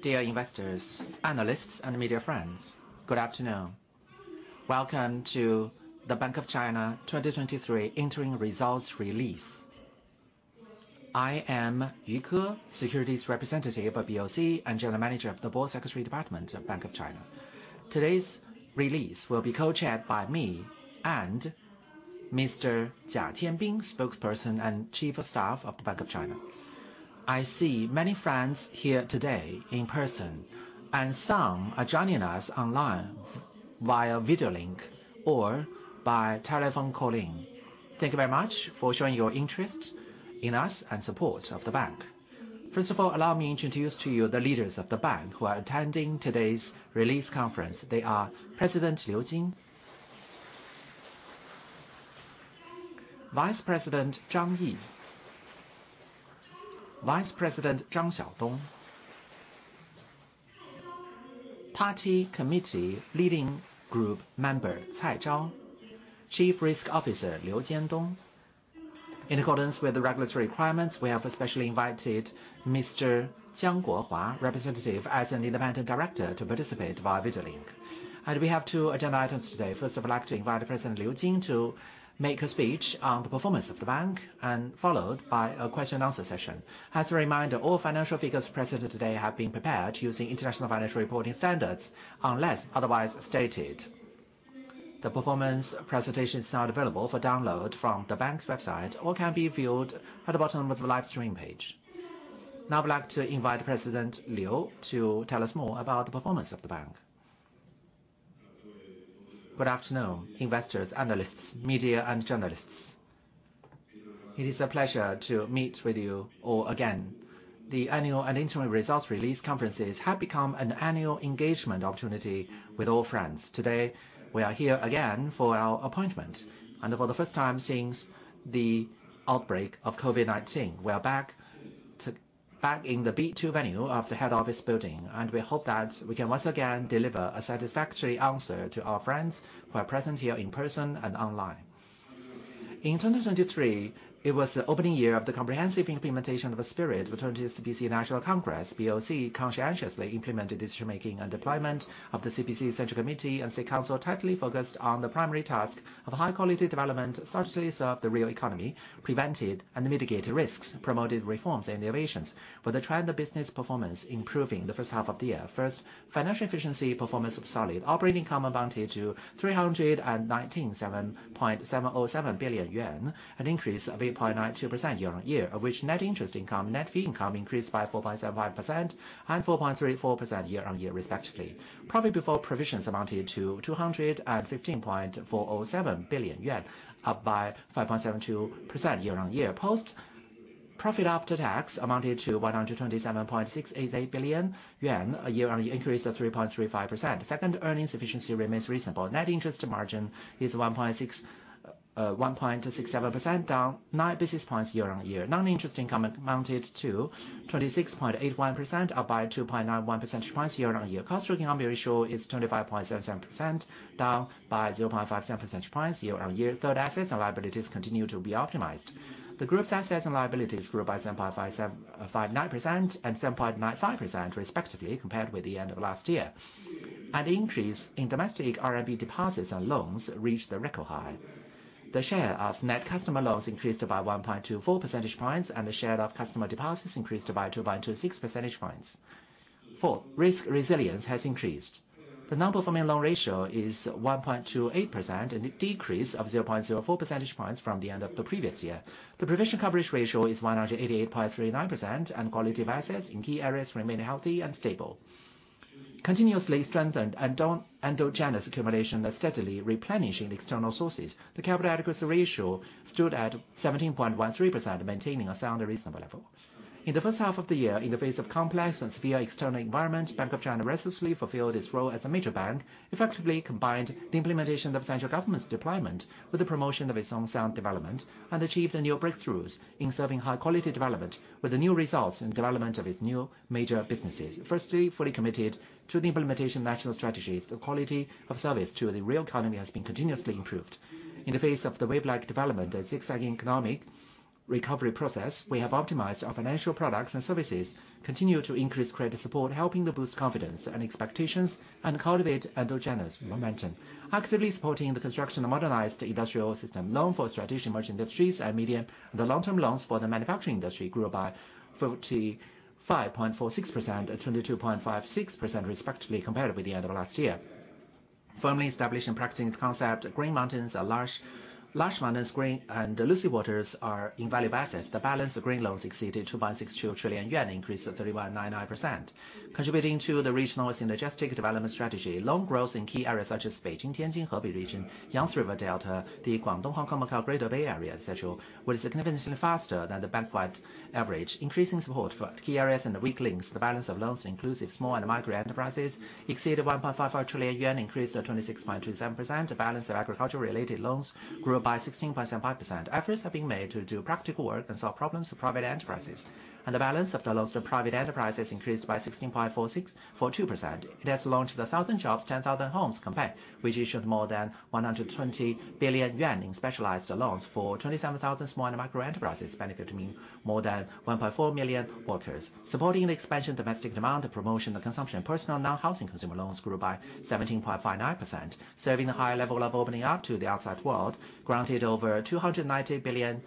Dear investors, analysts, and media friends, good afternoon. Welcome to the Bank of China 2023 interim results release. I am Yu Ke, securities representative of BOC and General Manager of the Board Secretary Department of Bank of China. Today's release will be co-chaired by me and Mr. Jia Tianbing, Spokesperson and Chief of Staff of the Bank of China. I see many friends here today in person, and some are joining us online via video link or by telephone calling. Thank you very much for showing your interest in us and support of the bank. First of all, allow me introduce to you the leaders of the bank who are attending today's release conference. They are President Liu Jin, Vice President Zhang Yi, Vice President Zhang Xiaodong, Party Committee Leading Group member, Zhao Rong, Chief Risk Officer, Liu Jiandong. In accordance with the regulatory requirements, we have especially invited Mr. Jiang Guohua, representative as an independent director, to participate via video link. We have two agenda items today. First, I'd like to invite President Liu Jin to make a speech on the performance of the bank, and followed by a question and answer session. As a reminder, all financial figures presented today have been prepared using International Financial Reporting Standards, unless otherwise stated. The performance presentation is now available for download from the bank's website or can be viewed at the bottom of the live stream page. Now, I'd like to invite President Liu to tell us more about the performance of the bank. Good afternoon, investors, analysts, media, and journalists. It is a pleasure to meet with you all again. The annual and interim results release conferences have become an annual engagement opportunity with all friends. Today, we are here again for our appointment, and for the first time since the outbreak of COVID-19, we are back in the B2 venue of the head office building, and we hope that we can once again deliver a satisfactory answer to our friends who are present here in person and online. In 2023, it was the opening year of the comprehensive implementation of the spirit of the 20th CPC National Congress. BOC conscientiously implemented decision-making and deployment of the CPC Central Committee and State Council, tightly focused on the primary task of high quality development, solidly served the real economy, prevented and mitigated risks, promoted reforms and innovations, with the trend of business performance improving the first half of the year. First, financial efficiency performance was solid. Operating income amounted to 319.707 billion yuan, an increase of 8.92% year-on-year, of which net interest income, net fee income increased by 4.75% and 4.34% year-on-year, respectively. Profit before provisions amounted to 215.407 billion yuan, up by 5.72% year-on-year. Profit after tax amounted to 127.688 billion yuan, a year-on-year increase of 3.35%. Second, earnings efficiency remains reasonable. Net interest margin is 1.6, 1.67%, down nine basis points year-on-year. Non-interest income amounted to 26.81%, up by 2.91 percentage points year-on-year. Cost to income ratio is 25.77%, down by 0.57 percentage points year-on-year. Third, assets and liabilities continue to be optimized. The group's assets and liabilities grew by 7.5759% and 7.95% respectively, compared with the end of last year. An increase in domestic RMB deposits and loans reached the record high. The share of net customer loans increased by 1.24 percentage points, and the share of customer deposits increased by 2.26 percentage points. Four, risk resilience has increased. The non-performing loan ratio is 1.28%, and it decreased of 0.04 percentage points from the end of the previous year. The provision coverage ratio is 188.39%, and quality of assets in key areas remain healthy and stable. Continuously strengthened endogenous accumulation and steadily replenishing the external sources, the capital adequacy ratio stood at 17.13%, maintaining a sound and reasonable level. In the first half of the year, in the face of complex and severe external environment, Bank of China resolutely fulfilled its role as a major bank, effectively combined the implementation of central government's deployment with the promotion of its own sound development, and achieved new breakthroughs in serving high quality development with the new results and development of its new major businesses. Firstly, fully committed to the implementation of national strategies. The quality of service to the real economy has been continuously improved. In the face of the wavelike development and zigzagging economic recovery process, we have optimized our financial products and services, continue to increase credit support, helping to boost confidence and expectations, and cultivate endogenous momentum. Actively supporting the construction of modernized industrial system. Loans for strategic emerging industries and medium- and long-term loans for the manufacturing industry grew by 45.46% and 22.56% respectively, compared with the end of last year. Firmly established and practicing the concept, green mountains are lush, large mountains green and lucid waters are invaluable assets. The balance of green loans exceeded 2.62 trillion yuan, increase of 31.99%. Contributing to the regional synergistic development strategy, loan growth in key areas such as Beijing-Tianjin-Hebei region, Yangtze River Delta, the Guangdong-Hong Kong-Macao Greater Bay Area, et cetera, was significantly faster than the bank-wide average. Increasing support for key areas and the weak links, the balance of loans inclusive, small and micro enterprises exceeded 1.54 trillion yuan, increased to 26.27%. The balance of agriculture-related loans grew by 16.75%. Efforts have been made to do practical work and solve problems of private enterprises, and the balance of the loans to private enterprises increased by 16.42%. It has launched the Thousand Shops, Ten Thousand Homes campaign, which issued more than 120 billion yuan in specialized loans for 27,000 small and micro-enterprises, benefiting more than 1.4 million workers. Supporting the expansion of domestic demand and promotion of consumption, personal non-housing consumer loans grew by 17.59%, serving a higher level of opening up to the outside world, granted over $290 billion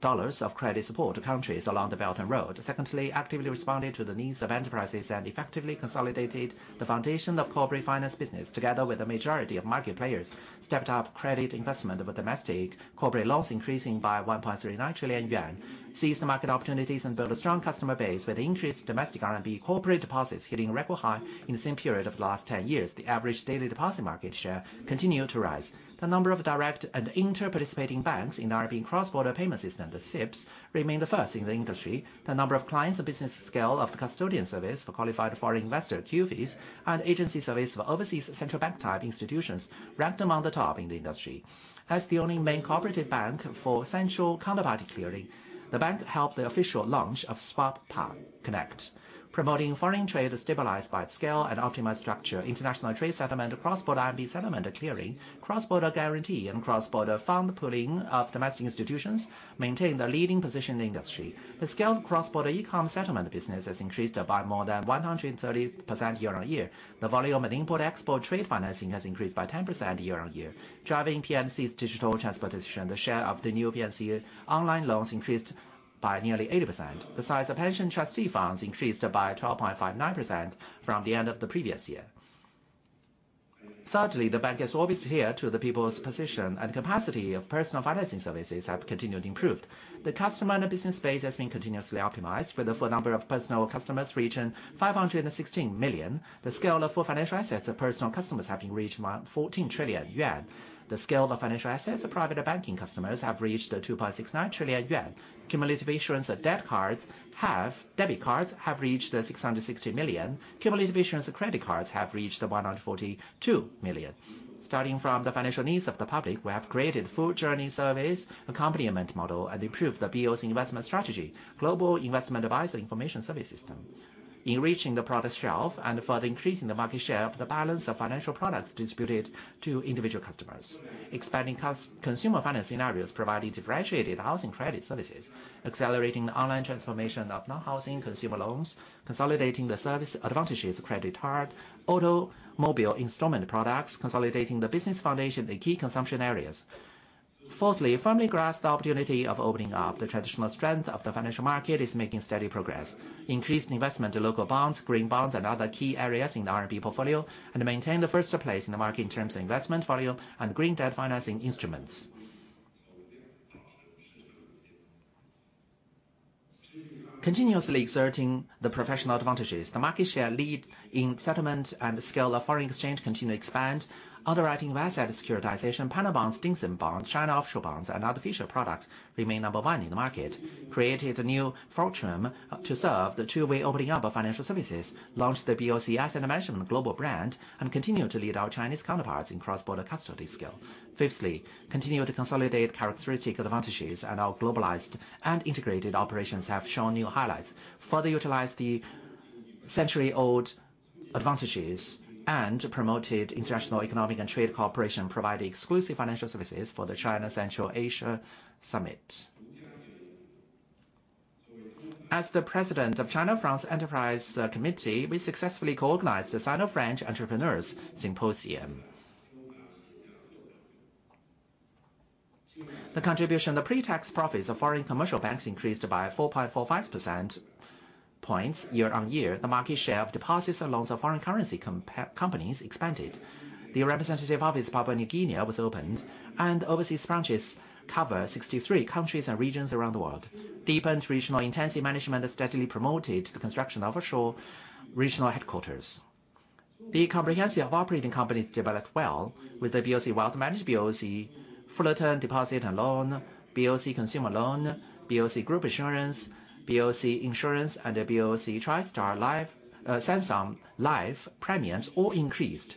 of credit support to countries along the Belt and Road. Secondly, actively responded to the needs of enterprises and effectively consolidated the foundation of corporate finance business, together with the majority of market players, stepped up credit investment with domestic corporate loans increasing by 1.39 trillion yuan. Seized the market opportunities and built a strong customer base with increased domestic RMB corporate deposits hitting a record high in the same period of the last 10 years. The average daily deposit market share continued to rise. The number of direct and inter-participating banks in the RMB Cross-Border Payment System, the CIPS, remained the first in the industry. The number of clients and business scale of the custodian service for Qualified Foreign Investor, QFIs, and agency service for overseas central bank type institutions ranked among the top in the industry. As the only main cooperative bank for central counterparty clearing, the bank helped the official launch of Swap Connect. Promoting foreign trade stabilized by scale and optimized structure, international trade settlement, cross-border RMB settlement and clearing, cross-border guarantee, and cross-border fund pooling of domestic institutions maintained the leading position in the industry. The scaled cross-border e-com settlement business has increased by more than 130% year-over-year. The volume of import-export trade financing has increased by 10% year-over-year, driving Inclusive Finance digital transformation. The share of the new Inclusive Finance online loans increased by nearly 80%. The size of pension trustee funds increased by 12.59% from the end of the previous year. Thirdly, the bank has always adhered to the people's position, and capacity of personal financing services have continued improved. The customer and the business base has been continuously optimized, with the total number of personal customers reaching 516 million. The scale of total financial assets of personal customers have been reached 14 trillion yuan. The scale of financial assets of private banking customers have reached 2.69 trillion yuan. Cumulative issuance of debit cards have reached 660 million. Cumulative issuance of credit cards have reached 142 million. Starting from the financial needs of the public, we have created full journey service accompaniment model and improved the BOC's investment strategy, Global Investment Advisor Information Service system, enriching the product shelf and further increasing the market share of the balance of financial products distributed to individual customers. Expanding consumer finance scenarios, providing differentiated housing credit services, accelerating the online transformation of non-housing consumer loans, consolidating the service advantages of credit card, automobile installment products, consolidating the business foundation in key consumption areas. Fourthly, firmly grasp the opportunity of opening up. The traditional strength of the financial market is making steady progress. Increased investment in local bonds, green bonds, and other key areas in the RMB portfolio, and maintained the first place in the market in terms of investment volume and green debt financing instruments. Continuously exerting the professional advantages, the market share lead in settlement and the scale of foreign exchange continue to expand. Underwriting of asset securitization, Panda bonds, Dim Sum bonds, China offshore bonds, and other official products remain number one in the market. Created a new forum to serve the two-way opening up of financial services, launched the BOC International global brand, and continued to lead our Chinese counterparts in cross-border custody scale. Fifthly, continued to consolidate characteristic advantages, and our globalized and integrated operations have shown new highlights. Further utilized the century-old advantages and promoted international economic and trade cooperation, providing exclusive financial services for the China-Central Asia Summit. As the President of China-France Enterprise Committee, we successfully co-organized the Sino-French Entrepreneurs Symposium. The contribution of the pre-tax profits of foreign commercial banks increased by 4.45 percentage points year-on-year. The market share of deposits and loans of foreign currency companies expanded. The representative office in Papua New Guinea was opened, and overseas branches cover 63 countries and regions around the world. Deepened regional intensive management and steadily promoted the construction of offshore regional headquarters. The comprehensive operating companies developed well with the BOC Wealth Management, BOC Fullerton Community Bank BOC Consumer Finance, BOC Group Insurance, BOC Insurance, and the BOC Samsung Life, Samsung Life premiums all increased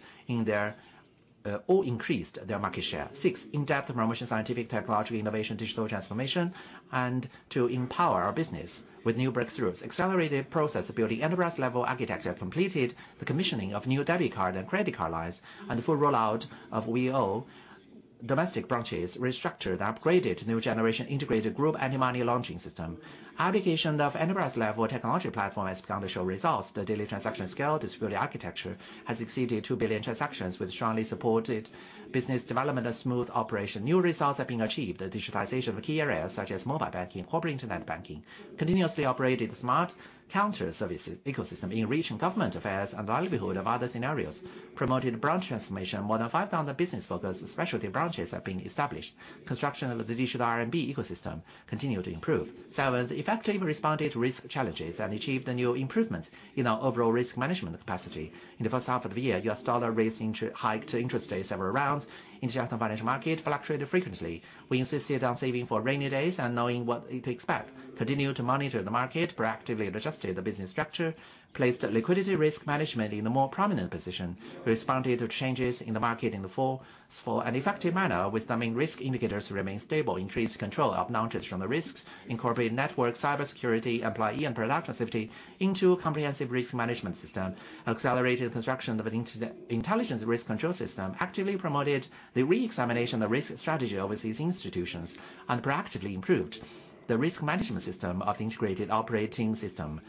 their market share. Six, in-depth promotion of scientific technology, innovation, digital transformation, and to empower our business with new breakthroughs. Accelerated process of building enterprise-level architecture, completed the commissioning of new debit card and credit card lines, and the full rollout of Version 5.0 domestic branches restructured and upgraded new generation integrated group anti-money laundering system. Application of enterprise level technology platform has begun to show results. The daily transaction scale, distributed architecture, has exceeded 2 billion transactions, with strongly supported business development and smooth operation. New results are being achieved. The digitization of key areas, such as mobile banking, corporate internet banking, continuously operated smart counter service ecosystem in reach and government affairs and the livelihood of other scenarios, promoted branch transformation. More than 5,000 business focused specialty branches have been established. Construction of the digital RMB ecosystem continued to improve. Seventh, effectively responded to risk challenges and achieved a new improvement in our overall risk management capacity. In the first half of the year, U.S. dollar raised into-- hiked interest several rounds, international financial market fluctuated frequently. We insisted on saving for rainy days and knowing what to expect, continued to monitor the market, proactively adjusted the business structure, placed liquidity risk management in a more prominent position, responded to changes in the market in the full, full and effective manner, with the main risk indicators remaining stable, increased control of non-traditional risks, incorporated network cybersecurity, employee and product safety into a comprehensive risk management system. Accelerated construction of an intelligence risk control system, actively promoted the re-examination of risk strategy overseas institutions, and proactively improved the risk management system of the integrated operating system.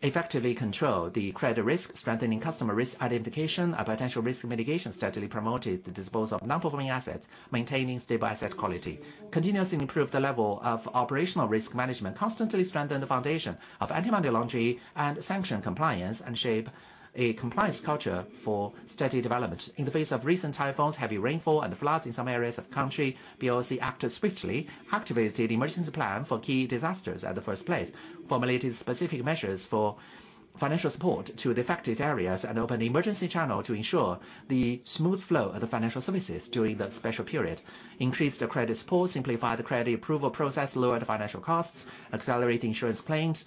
Effectively control the credit risk, strengthening customer risk identification, a potential risk mitigation steadily promoted the disposal of non-performing assets, maintaining stable asset quality. Continuously improve the level of operational risk management, constantly strengthen the foundation of anti-money laundering and sanction compliance, and shape a compliance culture for steady development. In the face of recent typhoons, heavy rainfall, and floods in some areas of the country, BOC acted swiftly, activated emergency plan for key disasters at the first place, formulated specific measures for financial support to the affected areas, and opened the emergency channel to ensure the smooth flow of the financial services during that special period. Increased the credit support, simplified the credit approval process, lowered the financial costs, accelerate insurance claims.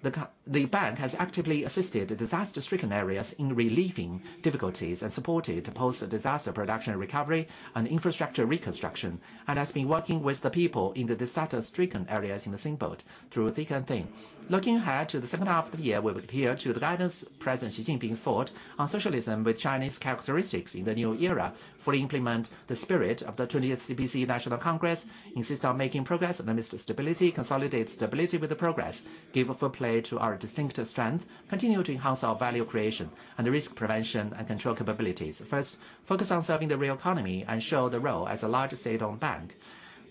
The bank has actively assisted the disaster-stricken areas in relieving difficulties and supported post-disaster production recovery and infrastructure reconstruction, and has been working with the people in the disaster-stricken areas in the same boat through thick and thin. Looking ahead to the second half of the year, we will adhere to the guidance President Xi Jinping Thought on socialism with Chinese characteristics in the new era, fully implement the spirit of the twentieth CPC National Congress, insist on making progress in the midst of stability, consolidate stability with the progress, give full play to our distinctive strength, continue to enhance our value creation and the risk prevention and control capabilities. First, focus on serving the real economy and show the role as a large state-owned bank.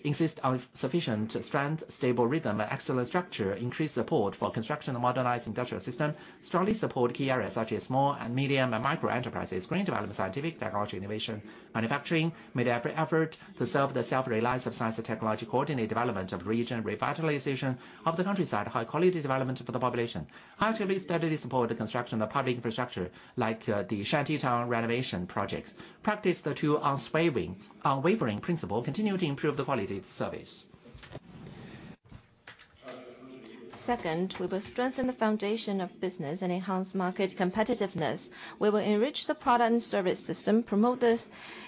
Insist on sufficient strength, stable rhythm, and excellent structure. Increase support for construction and modernized industrial system. Strongly support key areas such as small and medium and micro enterprises, green development, scientific technology, innovation, manufacturing. Made every effort to serve the self-reliance of science and technology, coordinate development of region, revitalization of the countryside, high quality development for the population. Actively, steadily support the construction of public infrastructure, like, the shanty town renovation projects. Practice the two Unwavering, unwavering principle, continue to improve the quality of service. Second, we will strengthen the foundation of business and enhance market competitiveness. We will enrich the product and service system, promote the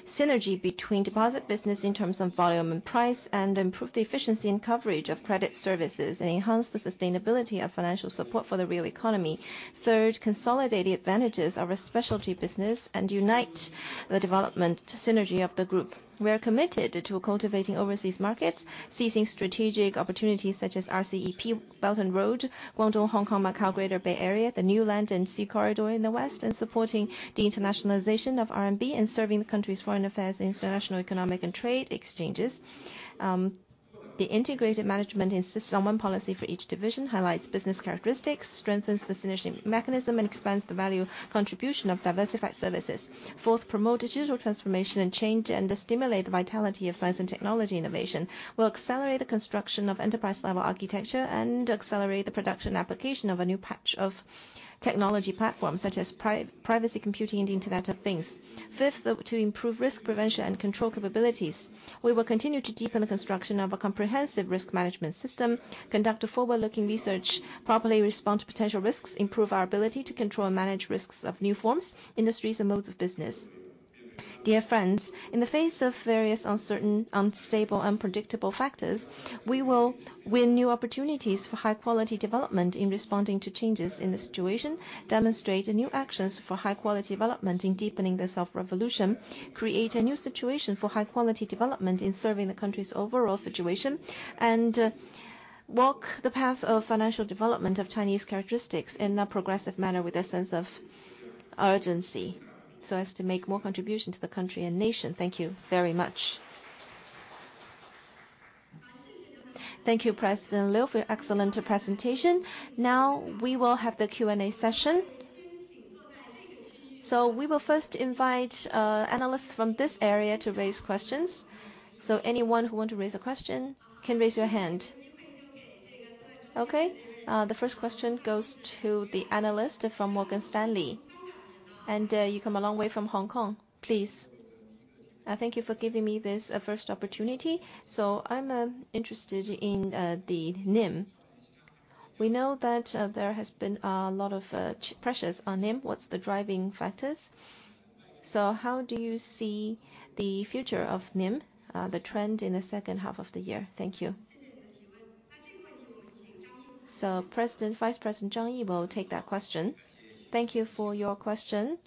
synergy between deposit business in terms of volume and price, and improve the efficiency and coverage of credit services, and enhance the sustainability of financial support for the real economy. Third, consolidate the advantages of our specialty business and unite the development synergy of the group. We are committed to cultivating overseas markets, seizing strategic opportunities such as RCEP, Belt and Road, Guangdong-Hong Kong-Macao Greater Bay Area, the New Land and Sea Corridor in the West, and supporting the internationalization of RMB and serving the country's foreign affairs, international, economic, and trade exchanges. The integrated management insists on one policy for each division, highlights business characteristics, strengthens the synergy mechanism, and expands the value contribution of diversified services. Fourth, promote digital transformation and change, and stimulate the vitality of science and technology innovation. We'll accelerate the construction of enterprise level architecture and accelerate the production application of a new batch of technology platforms such as privacy computing and Internet of Things. Fifth, to improve risk prevention and control capabilities, we will continue to deepen the construction of a comprehensive risk management system, conduct a forward-looking research, properly respond to potential risks, improve our ability to control and manage risks of new forms, industries, and modes of business. Dear friends, in the face of various uncertain, unstable, unpredictable factors, we will win new opportunities for high quality development in responding to changes in the situation, demonstrate new actions for high quality development in deepening the self-revolution, create a new situation for high quality development in serving the country's overall situation, and walk the path of financial development of Chinese characteristics in a progressive manner with a sense of urgency, so as to make more contribution to the country and nation. Thank you very much. Thank you, President Liu, for your excellent presentation. Now, we will have the Q&A session. So we will first invite analysts from this area to raise questions. So anyone who want to raise a question, can raise your hand. Okay, the first question goes to the analyst from Morgan Stanley. And you come a long way from Hong Kong, please. Thank you for giving me this first opportunity. So I'm interested in the NIM. We know that there has been a lot of pressures on NIM. What's the driving factors? So how do you see the future of NIM, the trend in the second half of the year? Thank you.... So President, Vice President Zhang Yi will take that question. Thank you for your question.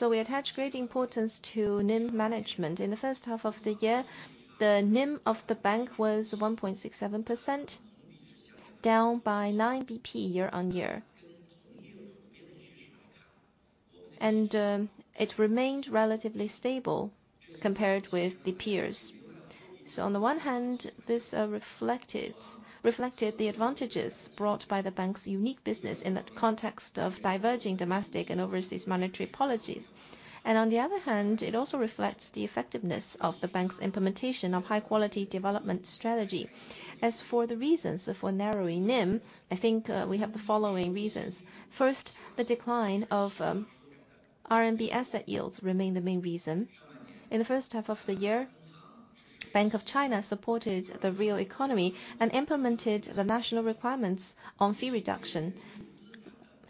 We attach great importance to NIM management. In the first half of the year, the NIM of the bank was 1.67%, down by 9 BP year-on-year. It remained relatively stable compared with the peers. So on the one hand, this reflected, reflected the advantages brought by the bank's unique business in the context of diverging domestic and overseas monetary policies. And on the other hand, it also reflects the effectiveness of the bank's implementation of high-quality development strategy. As for the reasons for narrowing NIM, I think we have the following reasons. First, the decline of RMB asset yields remain the main reason. In the first half of the year, Bank of China supported the real economy and implemented the national requirements on fee reduction.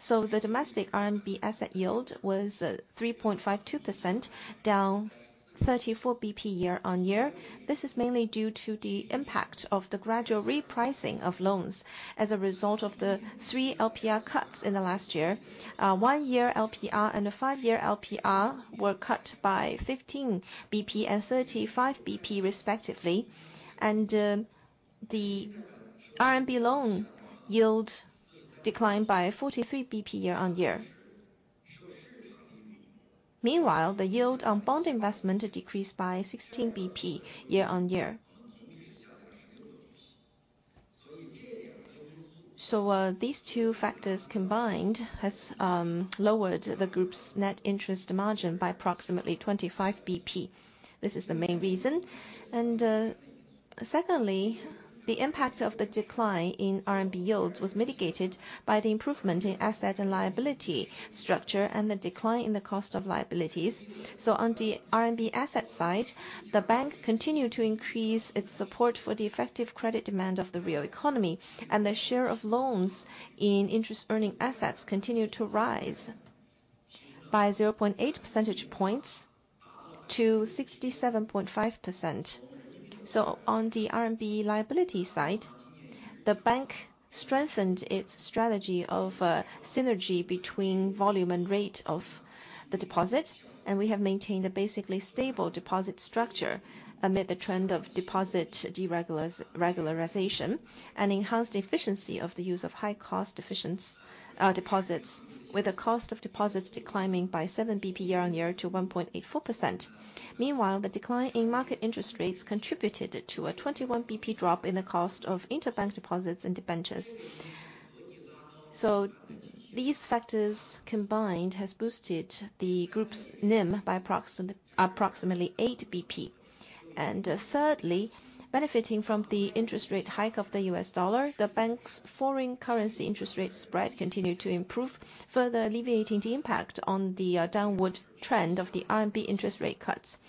The domestic RMB asset yield was 3.52%, down 34 BP year-on-year. This is mainly due to the impact of the gradual repricing of loans as a result of the 3 LPR cuts in the last year. 1-year LPR and the 5-year LPR were cut by 15 BP and 35 BP respectively, and the RMB loan yield declined by 43 BP year-on-year. Meanwhile, the yield on bond investment decreased by 16 BP year-on-year. These two factors combined has lowered the group's net interest margin by approximately 25 BP. This is the main reason. Secondly, the impact of the decline in RMB yields was mitigated by the improvement in asset and liability structure and the decline in the cost of liabilities. So on the RMB asset side, the bank continued to increase its support for the effective credit demand of the real economy, and the share of loans in interest-earning assets continued to rise by 0.8 percentage points to 67.5%. So on the RMB liability side, the bank strengthened its strategy of synergy between volume and rate of the deposit, and we have maintained a basically stable deposit structure amid the trend of deposit de-regularization and enhanced the efficiency of the use of high-cost deficiencies deposits, with the cost of deposits declining by 7 BP year-on-year to 1.84%. Meanwhile, the decline in market interest rates contributed to a 21 BP drop in the cost of interbank deposits and debentures. So these factors combined has boosted the group's NIM by approximately 8 BP. And thirdly, benefiting from the interest rate hike of the US dollar, the bank's foreign currency interest rate spread continued to improve, further alleviating the impact on the downward trend of the RMB interest rate cuts.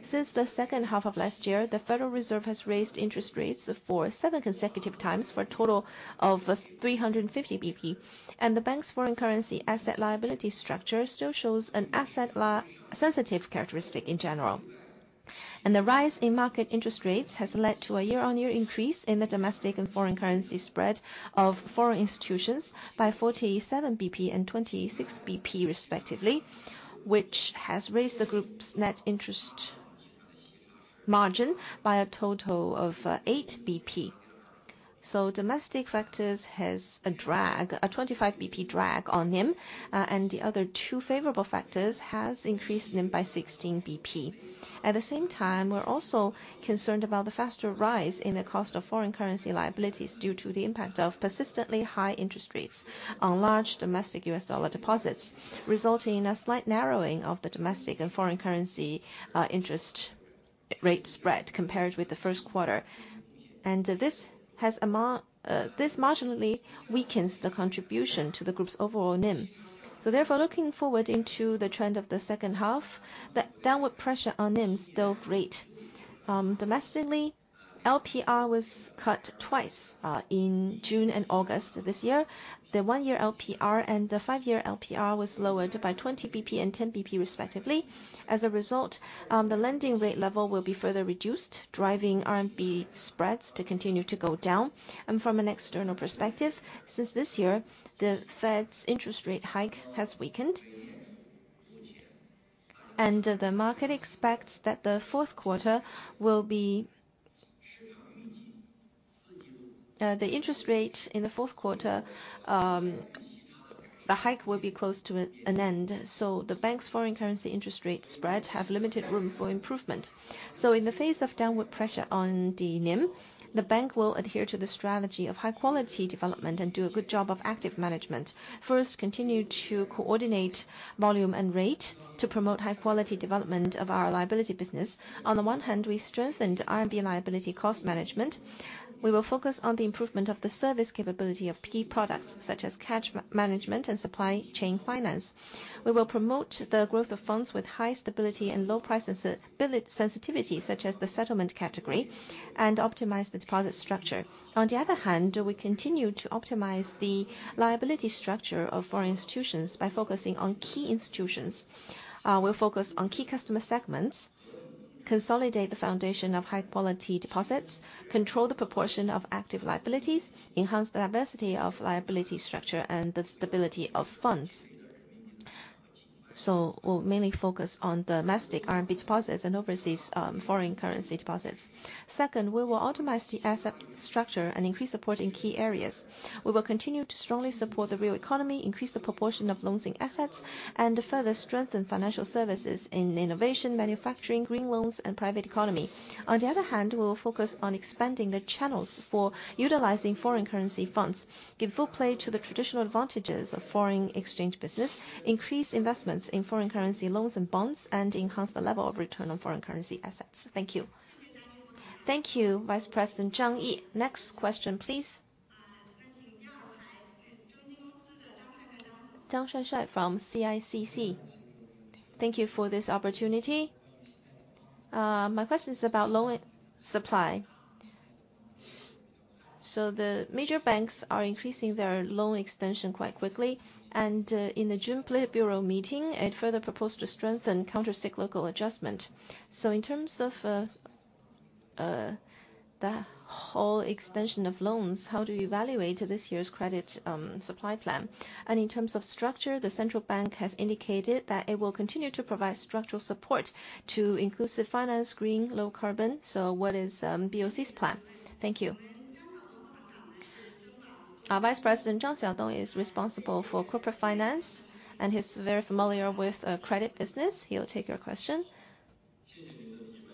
Since the second half of last year, the Federal Reserve has raised interest rates for 7 consecutive times, for a total of 350 BP, and the bank's foreign currency asset liability structure still shows an asset-sensitive characteristic in general. The rise in market interest rates has led to a year-on-year increase in the domestic and foreign currency spread of foreign institutions by 47 BP and 26 BP respectively, which has raised the group's net interest margin by a total of 8 BP. Domestic factors has a drag, a 25 BP drag on NIM, and the other two favorable factors has increased NIM by 16 BP. At the same time, we're also concerned about the faster rise in the cost of foreign currency liabilities due to the impact of persistently high interest rates on large domestic U.S. dollar deposits, resulting in a slight narrowing of the domestic and foreign currency interest rate spread compared with the first quarter. This marginally weakens the contribution to the group's overall NIM. So therefore, looking forward into the trend of the second half, the downward pressure on NIM is still great. Domestically, LPR was cut twice in June and August this year. The one-year LPR and the five-year LPR was lowered by 20 BP and 10 BP respectively. As a result, the lending rate level will be further reduced, driving RMB spreads to continue to go down. And from an external perspective, since this year, the Fed's interest rate hike has weakened, and the market expects that the interest rate in the fourth quarter, the hike will be close to an end, so the bank's foreign currency interest rate spread have limited room for improvement. So in the face of downward pressure on the NIM, the bank will adhere to the strategy of high-quality development and do a good job of active management. First, continue to coordinate volume and rate to promote high-quality development of our liability business. On the one hand, we strengthened RMB liability cost management. We will focus on the improvement of the service capability of key products, such as cash management and supply chain finance. We will promote the growth of funds with high stability and low price sensitivity, such as the settlement category, and optimize the deposit structure. On the other hand, we continue to optimize the liability structure of foreign institutions by focusing on key institutions. We'll focus on key customer segments, consolidate the foundation of high-quality deposits, control the proportion of active liabilities, enhance the diversity of liability structure and the stability of funds. So we'll mainly focus on domestic RMB deposits and overseas, foreign currency deposits. Second, we will optimize the asset structure and increase support in key areas. We will continue to strongly support the real economy, increase the proportion of loans and assets, and further strengthen financial services in innovation, manufacturing, green loans, and private economy. On the other hand, we will focus on expanding the channels for utilizing foreign currency funds, give full play to the traditional advantages of foreign exchange business, increase investments in foreign currency loans and bonds, and enhance the level of return on foreign currency assets. Thank you. Thank you, Vice President Zhang Yi. Next question, please. From CICC. Thank you for this opportunity. My question is about loan supply. So the major banks are increasing their loan extension quite quickly, and in the June Politburo meeting, it further proposed to strengthen countercyclical adjustment. So in terms of the whole extension of loans, how do you evaluate this year's credit supply plan? And in terms of structure, the central bank has indicated that it will continue to provide structural support to inclusive finance, green, low carbon. So what is BOC's plan? Thank you. Our Vice President, Zhang Xiaodong, is responsible for corporate finance, and he's very familiar with credit business. He'll take your question.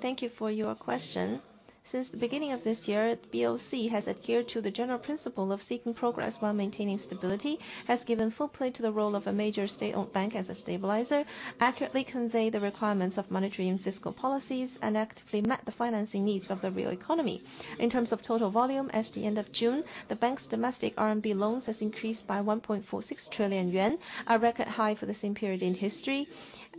Thank you for your question. Since the beginning of this year, BOC has adhered to the general principle of seeking progress while maintaining stability, has given full play to the role of a major state-owned bank as a stabilizer, accurately convey the requirements of monetary and fiscal policies, and actively met the financing needs of the real economy. In terms of total volume, as at the end of June, the bank's domestic RMB loans has increased by 1.46 trillion yuan, a record high for the same period in history.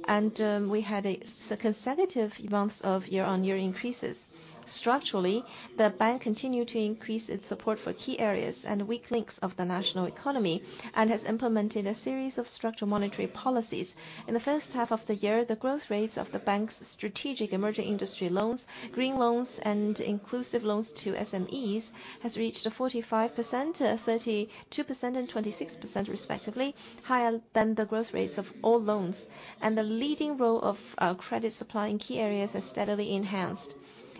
And, we had a consecutive months of year-on-year increases. Structurally, the bank continued to increase its support for key areas and weak links of the national economy, and has implemented a series of structural monetary policies. In the first half of the year, the growth rates of the bank's strategic emerging industry loans, green loans, and inclusive loans to SMEs has reached 45%, 32%, and 26% respectively, higher than the growth rates of all loans. The leading role of credit supply in key areas has steadily enhanced.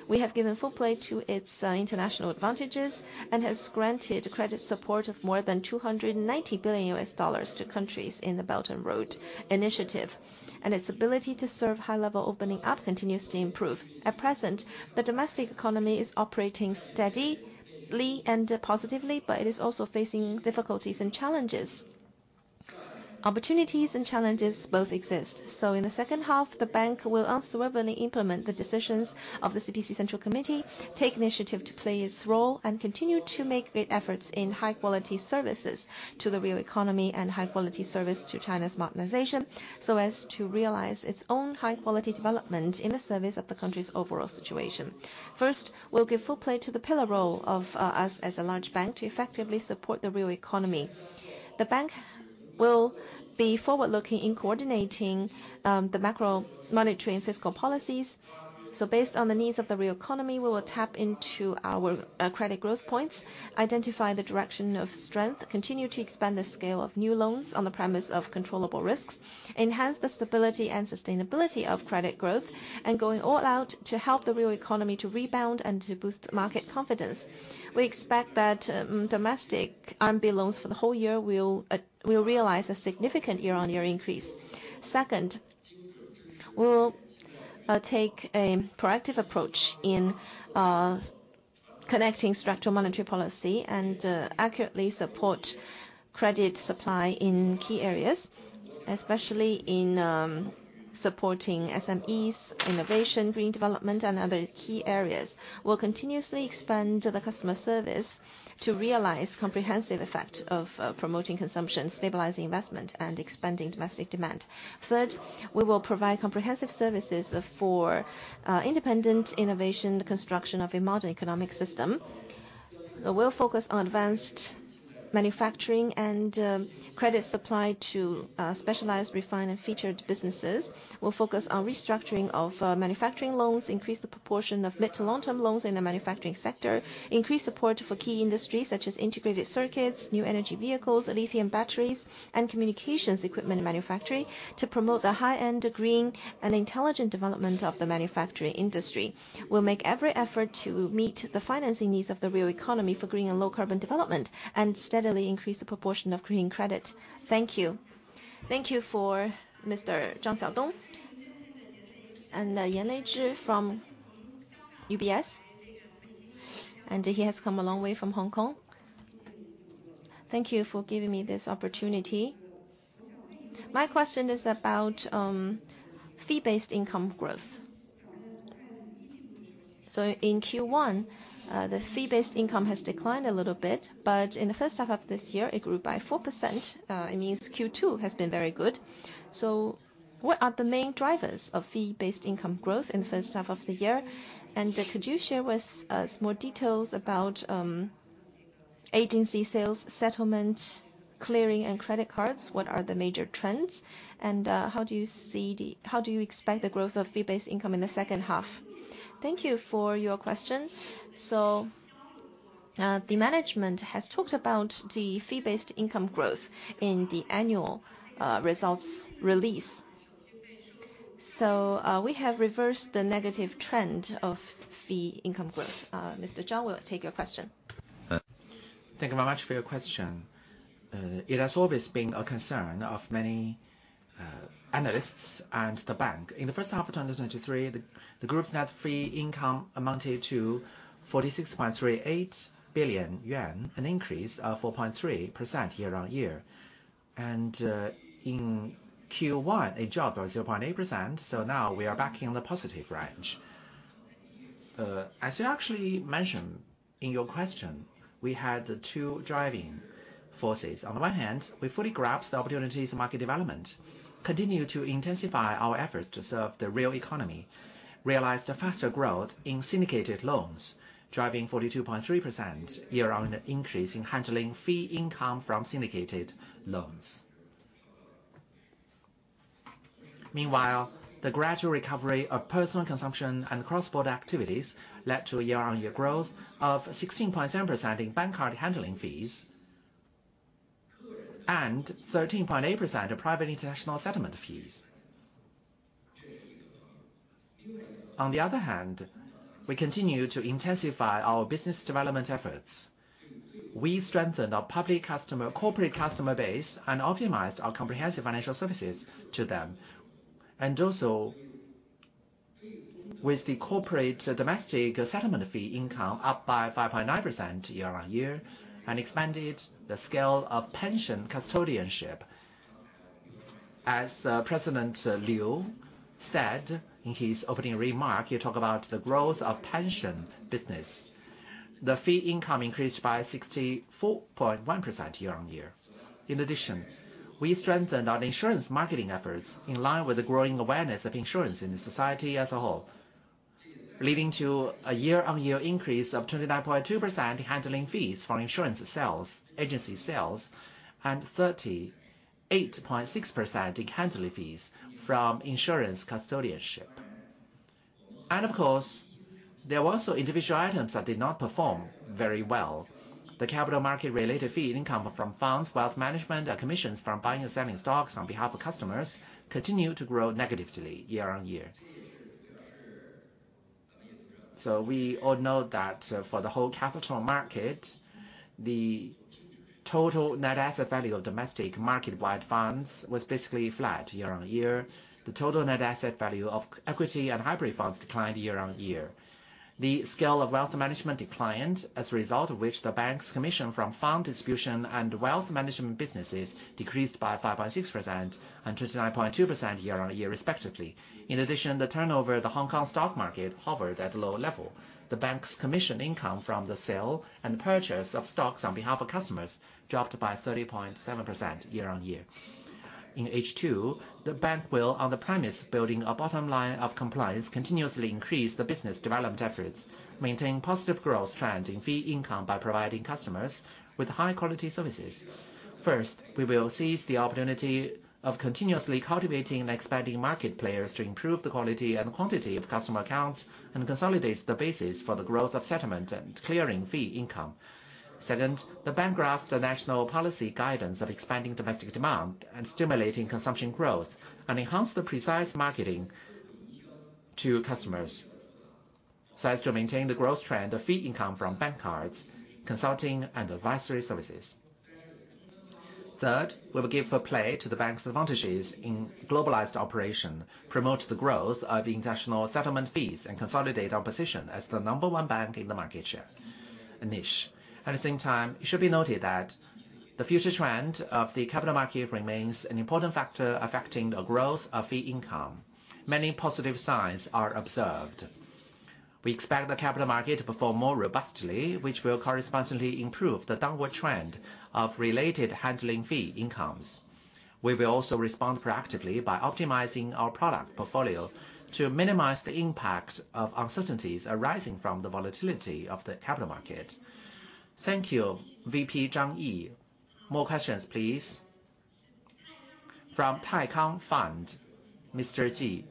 We have given full play to its international advantages, and has granted credit support of more than $290 billion to countries in the Belt and Road Initiative. Its ability to serve high-level opening up continues to improve. At present, the domestic economy is operating steadily and positively, but it is also facing difficulties and challenges. Opportunities and challenges both exist. So in the second half, the bank will unswervingly implement the decisions of the CPC Central Committee, take initiative to play its role, and continue to make great efforts in high-quality services to the real economy and high-quality service to China's modernization, so as to realize its own high-quality development in the service of the country's overall situation. First, we'll give full play to the pillar role of us as a large bank to effectively support the real economy. The bank will be forward-looking in coordinating the macro, monetary and fiscal policies. Based on the needs of the real economy, we will tap into our credit growth points, identify the direction of strength, continue to expand the scale of new loans on the premise of controllable risks, enhance the stability and sustainability of credit growth, and going all out to help the real economy to rebound and to boost market confidence. We expect that domestic RMB loans for the whole year will realize a significant year-on-year increase. Second, we'll take a proactive approach in connecting structural monetary policy and accurately support credit supply in key areas, especially in supporting SMEs, innovation, green development, and other key areas. We'll continuously expand the customer service to realize comprehensive effect of promoting consumption, stabilizing investment, and expanding domestic demand. Third, we will provide comprehensive services for independent innovation, the construction of a modern economic system. We'll focus on advanced manufacturing and credit supply to specialized, refined and featured businesses. We'll focus on restructuring of manufacturing loans, increase the proportion of mid to long-term loans in the manufacturing sector, increase support for key industries such as integrated circuits, new energy vehicles, lithium batteries, and communications equipment manufacturing, to promote the high-end green and intelligent development of the manufacturing industry. We'll make every effort to meet the financing needs of the real economy for green and low-carbon development, and steadily increase the proportion of green credit. Thank you. Thank you for Mr. Zhang Xiaodong. Yan Meizhi from UBS, and he has come a long way from Hong Kong. Thank you for giving me this opportunity. My question is about fee-based income growth. So in Q1, the fee-based income has declined a little bit, but in the first half of this year, it grew by 4%. It means Q2 has been very good. So what are the main drivers of fee-based income growth in the first half of the year? And could you share with us more details about agency sales, settlement, clearing, and credit cards, what are the major trends? And how do you expect the growth of fee-based income in the second half? Thank you for your question. So, the management has talked about the fee-based income growth in the annual, results release. So, we have reversed the negative trend of fee income growth. Mr. Zhang will take your question. Thank you very much for your question. It has always been a concern of many analysts and the bank. In the first half of 2023, the group's net fee income amounted to 46.38 billion yuan, an increase of 4.3% year-on-year. In Q1, a drop of 0.8%, so now we are back in the positive range. As you actually mentioned in your question, we had two driving forces. On one hand, we fully grasped the opportunities in market development, continued to intensify our efforts to serve the real economy, realized a faster growth in syndicated loans, driving 42.3% year-on-year increase in handling fee income from syndicated loans. Meanwhile, the gradual recovery of personal consumption and cross-border activities led to a year-on-year growth of 16.7% in bank card handling fees, and 13.8% of private international settlement fees. On the other hand, we continued to intensify our business development efforts. We strengthened our public customer corporate customer base and optimized our comprehensive financial services to them. And also, with the corporate domestic settlement fee income up by 5.9% year-on-year, and expanded the scale of pension custodianship. As, President Liu said in his opening remark, he talked about the growth of pension business. The fee income increased by 64.1% year-on-year. In addition, we strengthened our insurance marketing efforts in line with the growing awareness of insurance in the society as a whole, leading to a year-on-year increase of 29.2% in handling fees from insurance sales, agency sales, and 38.6% in handling fees from insurance custodianship. And of course, there were also individual items that did not perform very well. The capital market-related fee income from funds, wealth management, and commissions from buying and selling stocks on behalf of customers continued to grow negatively year-on-year. So we all know that for the whole capital market, the total net asset value of domestic market-wide funds was basically flat year-on-year. The total net asset value of equity and hybrid funds declined year-on-year. The scale of wealth management declined, as a result of which, the bank's commission from fund distribution and wealth management businesses decreased by 5.6% and 29.2% year-on-year respectively. In addition, the turnover of the Hong Kong stock market hovered at a lower level. The bank's commission income from the sale and purchase of stocks on behalf of customers dropped by 30.7% year-on-year. In H2, the bank will, on the premise of building a bottom line of compliance, continuously increase the business development efforts, maintain positive growth trend in fee income by providing customers with high-quality services. First, we will seize the opportunity of continuously cultivating and expanding market players to improve the quality and quantity of customer accounts, and consolidate the basis for the growth of settlement and clearing fee income. Second, the bank grasps the national policy guidance of expanding domestic demand and stimulating consumption growth, and enhance the precise marketing to customers, so as to maintain the growth trend of fee income from bank cards, consulting, and advisory services. Third, we will give full play to the bank's advantages in globalized operation, promote the growth of international settlement fees, and consolidate our position as the number one bank in the market share niche. At the same time, it should be noted that the future trend of the capital market remains an important factor affecting the growth of fee income. Many positive signs are observed. We expect the capital market to perform more robustly, which will correspondingly improve the downward trend of related handling fee incomes. We will also respond proactively by optimizing our product portfolio to minimize the impact of uncertainties arising from the volatility of the capital market. Thank you, VP Zhang Yi. More questions, please. From Taikang Fund, Mr. Ji.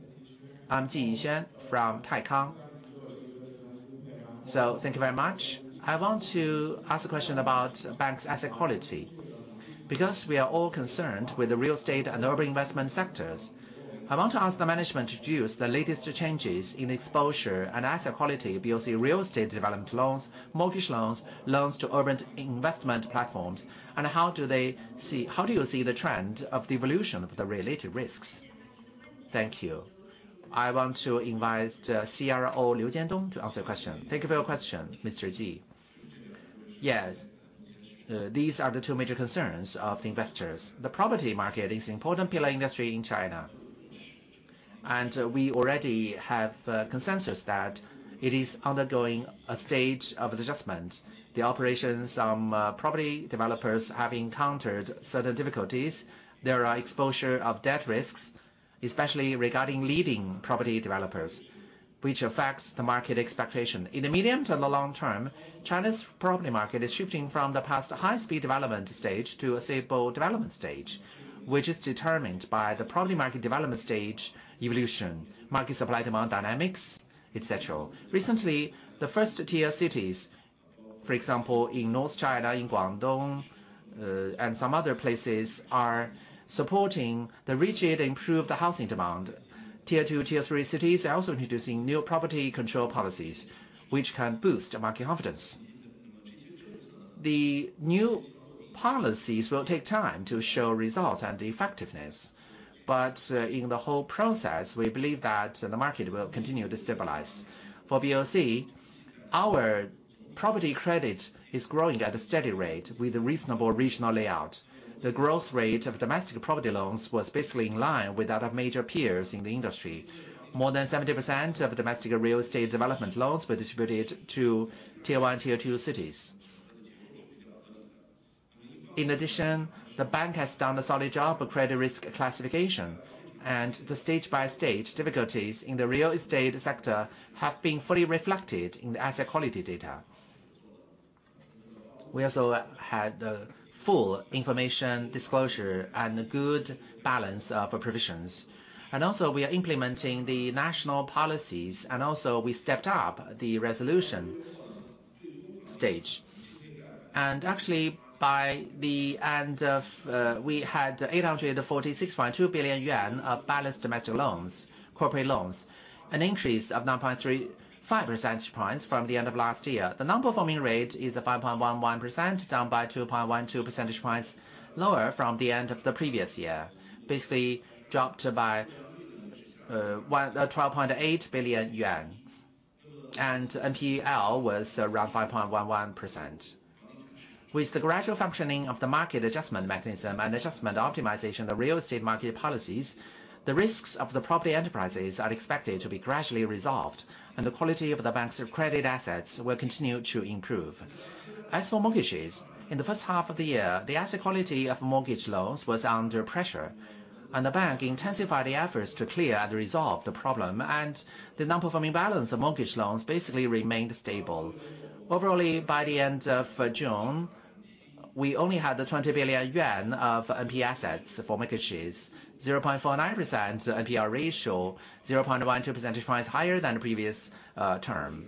I'm Ji Yinxuan from Taikang. So thank you very much. I want to ask a question about the bank's asset quality. Because we are all concerned with the real estate and urban investment sectors, I want to ask the management to give us the latest changes in exposure and asset quality, be it the real estate development loans, mortgage loans, loans to urban investment platforms, and how do they see... How do you see the trend of the evolution of the related risks? Thank you. I want to invite CRO Liu Jiandong to answer the question. Thank you for your question, Mr. Ji. Yes, these are the two major concerns of the investors. The property market is an important pillar industry in China, and we already have a consensus that it is undergoing a stage of adjustment. The operations on, property developers have encountered certain difficulties. There are exposure of debt risks.... especially regarding leading property developers, which affects the market expectation. In the medium to the long term, China's property market is shifting from the past high-speed development stage to a stable development stage, which is determined by the property market development stage, evolution, market supply, demand dynamics, et cetera. Recently, the first tier cities, for example, in North China, in Guangdong, and some other places, are supporting the rigid improved housing demand. Tier two, tier three cities are also introducing new property control policies, which can boost market confidence. The new policies will take time to show results and effectiveness, but, in the whole process, we believe that the market will continue to stabilize. For BOC, our property credit is growing at a steady rate with a reasonable regional layout. The growth rate of domestic property loans was basically in line with other major peers in the industry. More than 70% of domestic real estate development loans were distributed to Tier 1, Tier 2 cities. In addition, the bank has done a solid job of credit risk classification, and the stage-by-stage difficulties in the real estate sector have been fully reflected in the asset quality data. We also had full information disclosure and a good balance of provisions. Also, we are implementing the national policies, and also we stepped up the resolution stage. And actually, by the end of, we had 846.2 billion yuan of balanced domestic loans, corporate loans, an increase of 9.35 percentage points from the end of last year. The non-performing rate is 5.11%, down by 2.12 percentage points, lower from the end of the previous year. Basically, dropped by 12.8 billion yuan, and NPL was around 5.11%. With the gradual functioning of the market adjustment mechanism and adjustment optimization of the real estate market policies, the risks of the property enterprises are expected to be gradually resolved, and the quality of the bank's credit assets will continue to improve. As for mortgages, in the first half of the year, the asset quality of mortgage loans was under pressure, and the bank intensified the efforts to clear and resolve the problem, and the non-performing balance of mortgage loans basically remained stable. Overall, by the end of June, we only had 20 billion yuan of NPL assets for mortgages, 0.49% NPL ratio, 0.12 percentage points higher than the previous term.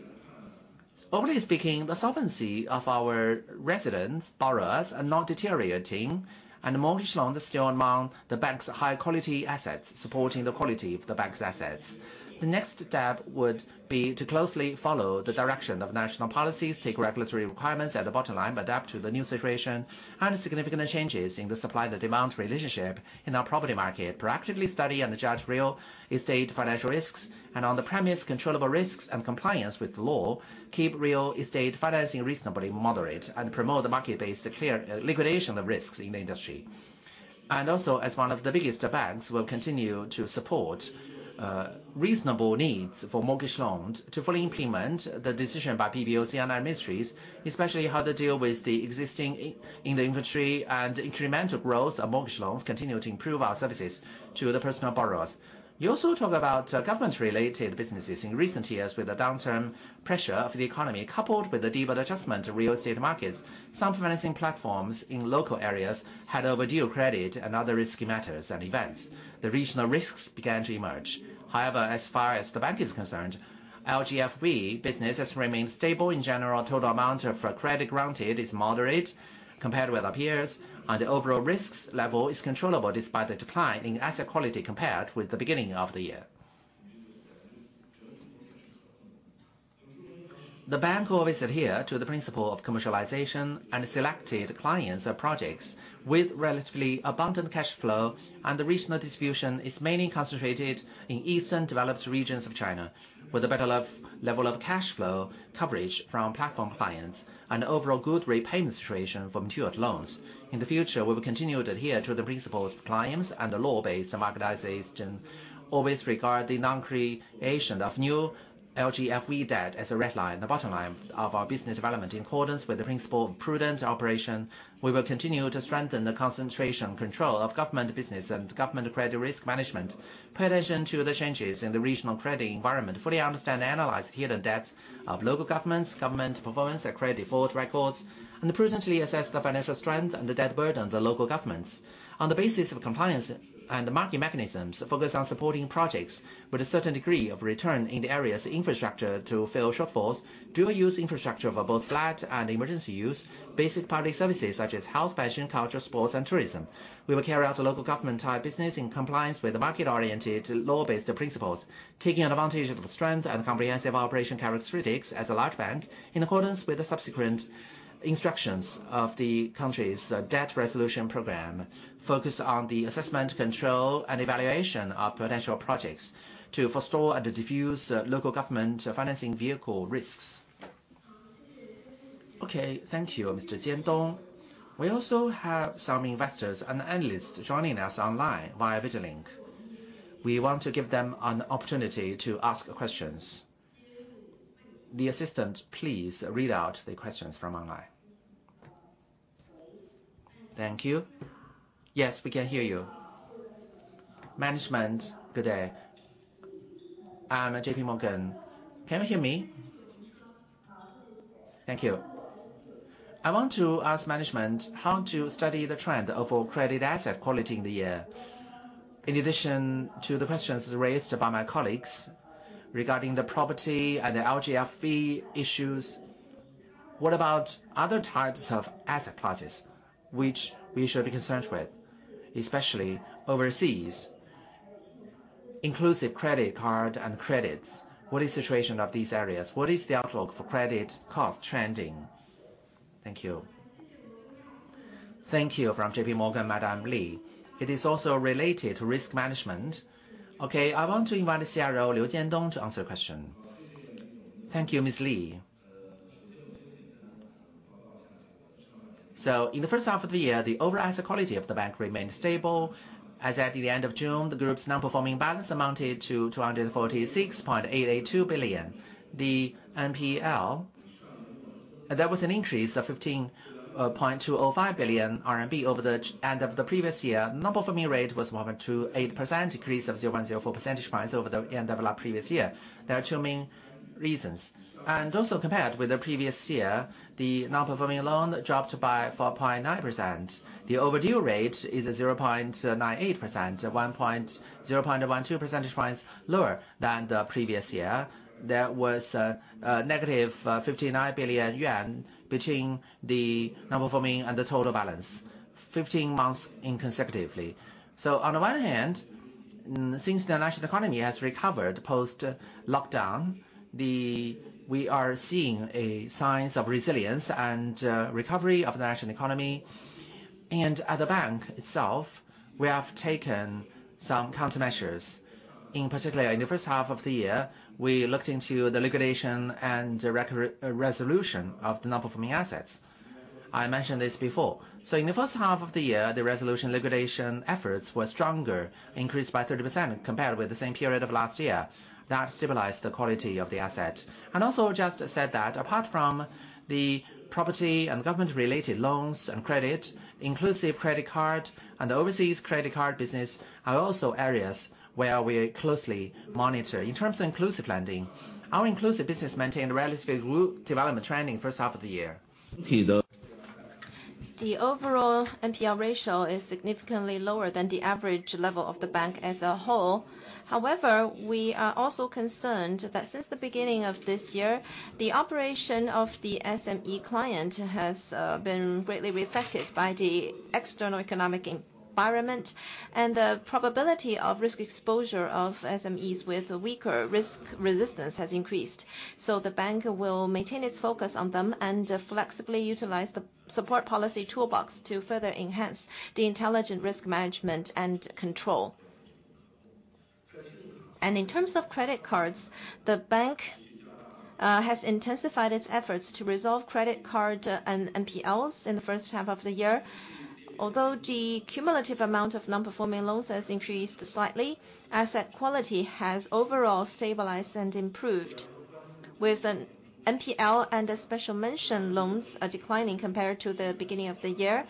Overall speaking, the solvency of our residents borrowers are not deteriorating, and the mortgage loans are still among the bank's high-quality assets, supporting the quality of the bank's assets. The next step would be to closely follow the direction of national policies, take regulatory requirements at the bottom line, but adapt to the new situation and significant changes in the supply and demand relationship in our property market. Proactively study and judge real estate financial risks, and on the premise, controllable risks and compliance with the law, keep real estate financing reasonably moderate and promote the market-based clear liquidation of risks in the industry. Also, as one of the biggest banks, we'll continue to support reasonable needs for mortgage loans to fully implement the decision by PBOC and other ministries, especially how to deal with the existing inventory and incremental growth of mortgage loans, continue to improve our services to the personal borrowers. We also talk about government-related businesses. In recent years, with the downturn pressure of the economy, coupled with the development adjustment to real estate markets, some financing platforms in local areas had overdue credit and other risky matters and events. The regional risks began to emerge. However, as far as the bank is concerned, LGFV business has remained stable. In general, total amount of credit granted is moderate compared with our peers, and the overall risks level is controllable despite the decline in asset quality compared with the beginning of the year. The bank will always adhere to the principle of commercialization and selected clients or projects with relatively abundant cash flow, and the regional distribution is mainly concentrated in eastern developed regions of China, with a better level of cash flow coverage from platform clients and overall good repayment situation from matured loans. In the future, we will continue to adhere to the principles of clients and the law-based marketization, always regard the non-creation of new LGFV debt as a red line, the bottom line of our business development. In accordance with the principle of prudent operation, we will continue to strengthen the concentration control of government business and government credit risk management, pay attention to the changes in the regional credit environment, fully understand and analyze the hidden debts of local governments, government performance and credit default records, and prudently assess the financial strength and the debt burden on the local governments. On the basis of compliance and market mechanisms, focus on supporting projects with a certain degree of return in the areas infrastructure to fill shortfalls, dual-use infrastructure for both flat and emergency use, basic public services such as health, fashion, culture, sports, and tourism. We will carry out the local government-type business in compliance with the market-oriented, law-based principles, taking advantage of the strength and comprehensive operation characteristics as a large bank, in accordance with the subsequent instructions of the country's debt resolution program. Focus on the assessment, control, and evaluation of potential projects to forestall and diffuse Local Government Financing Vehicle risks. Okay, thank you, Mr. Jiandong. We also have some investors and analysts joining us online via video link. We want to give them an opportunity to ask questions. The assistant, please read out the questions from online.... Thank you. Yes, we can hear you. Management, good day. I'm J.P. Morgan. Can you hear me? Thank you. I want to ask management how to study the trend of our credit asset quality in the year. In addition to the questions raised by my colleagues regarding the property and the LGFV issues, what about other types of asset classes which we should be concerned with, especially overseas, inclusive credit card and credits? What is situation of these areas? What is the outlook for credit cost trending? Thank you. Thank you, from JP Morgan, Madam Lei. It is also related to risk management. Okay, I want to invite the CRO, Liu Jiandong, to answer the question. Thank you, Ms. Lee. So in the first half of the year, the overall asset quality of the bank remained stable. As at the end of June, the group's non-performing balance amounted to 246.882 billion. The NPL, there was an increase of 15.205 billion RMB over the end of the previous year. Non-performing rate was 1.08%, decrease of 0.04 percentage points over the end of our previous year. There are two main reasons, and also compared with the previous year, the non-performing loan dropped by 4.9%. The overdue rate is 0.98%, at 1.0, 0.12 percentage points lower than the previous year. There was negative 59 billion yuan between the non-performing and the total balance, 15 months consecutively. So on the one hand, since the national economy has recovered post-lockdown, we are seeing a signs of resilience and recovery of the national economy. And at the bank itself, we have taken some countermeasures. In particular, in the first half of the year, we looked into the liquidation and the resolution of the non-performing assets. I mentioned this before. So in the first half of the year, the resolution liquidation efforts were stronger, increased by 30% compared with the same period of last year. That stabilized the quality of the asset. Also just said that apart from the property- and government-related loans and credit, inclusive credit card and overseas credit card business are also areas where we closely monitor. In terms of inclusive lending, our inclusive business maintained a relatively good development trend in the first half of the year. The overall NPL ratio is significantly lower than the average level of the bank as a whole. However, we are also concerned that since the beginning of this year, the operation of the SME client has been greatly affected by the external economic environment, and the probability of risk exposure of SMEs with a weaker risk resistance has increased. So the bank will maintain its focus on them and flexibly utilize the support policy toolbox to further enhance the intelligent risk management and control. And in terms of credit cards, the bank has intensified its efforts to resolve credit card and NPLs in the first half of the year. Although the cumulative amount of non-performing loans has increased slightly, asset quality has overall stabilized and improved, with an NPL and a special mention, loans are declining compared to the beginning of the year.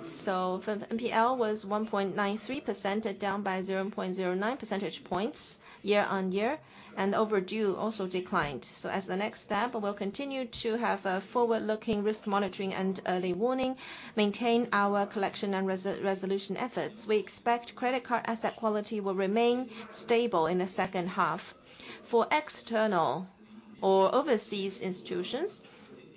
So for the NPL was 1.93%, down by 0.09 percentage points year-on-year, and overdue also declined. So as the next step, we'll continue to have a forward-looking risk monitoring and early warning, maintain our collection and resolution efforts. We expect credit card asset quality will remain stable in the second half. For external or overseas institutions,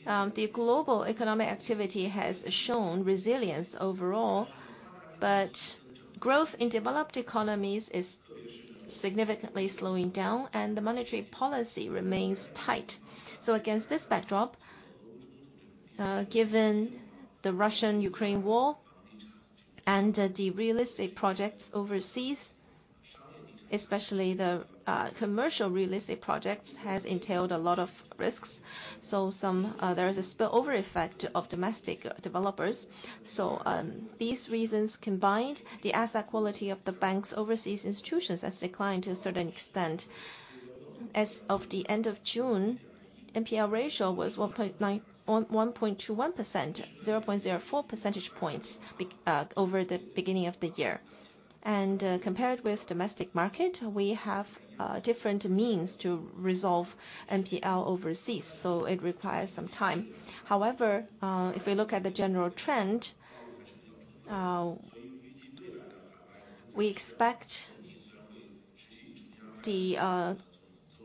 the global economic activity has shown resilience overall, but growth in developed economies is significantly slowing down, and the monetary policy remains tight. So against this backdrop, given the Russian-Ukraine war and the real estate projects overseas, especially the, commercial real estate projects, has entailed a lot of risks. So some, there is a spillover effect of domestic developers. So, these reasons combined, the asset quality of the bank's overseas institutions has declined to a certain extent. As of the end of June, NPL ratio was 1.9, 1.21%, 0.04 percentage points over the beginning of the year. Compared with domestic market, we have different means to resolve NPL overseas, so it requires some time. However, if we look at the general trend, we expect the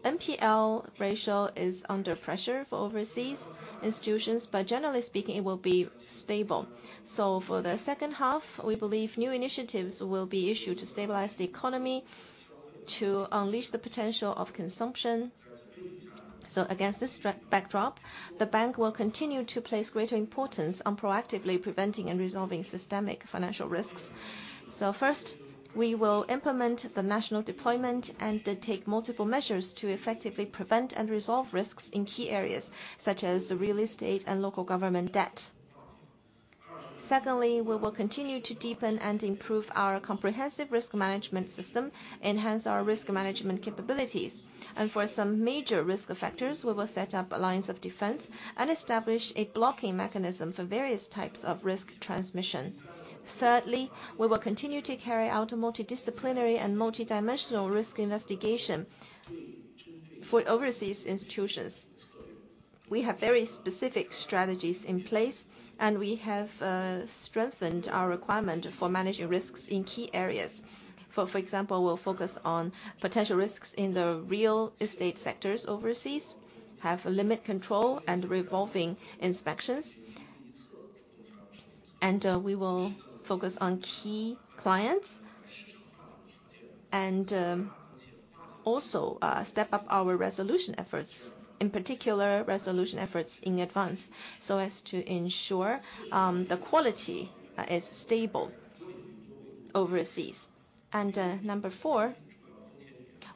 NPL ratio is under pressure for overseas institutions, but generally speaking, it will be stable. So for the second half, we believe new initiatives will be issued to stabilize the economy, to unleash the potential of consumption. So against this backdrop, the bank will continue to place greater importance on proactively preventing and resolving systemic financial risks. So first, we will implement the national deployment and then take multiple measures to effectively prevent and resolve risks in key areas, such as real estate and local government debt. Secondly, we will continue to deepen and improve our comprehensive risk management system, enhance our risk management capabilities, and for some major risk factors, we will set up lines of defense and establish a blocking mechanism for various types of risk transmission. Thirdly, we will continue to carry out a multidisciplinary and multidimensional risk investigation for overseas institutions. We have very specific strategies in place, and we have strengthened our requirement for managing risks in key areas. For example, we'll focus on potential risks in the real estate sectors overseas, have limit control and revolving inspections, and we will focus on key clients and also step up our resolution efforts, in particular, resolution efforts in advance, so as to ensure the quality is stable overseas. And number four,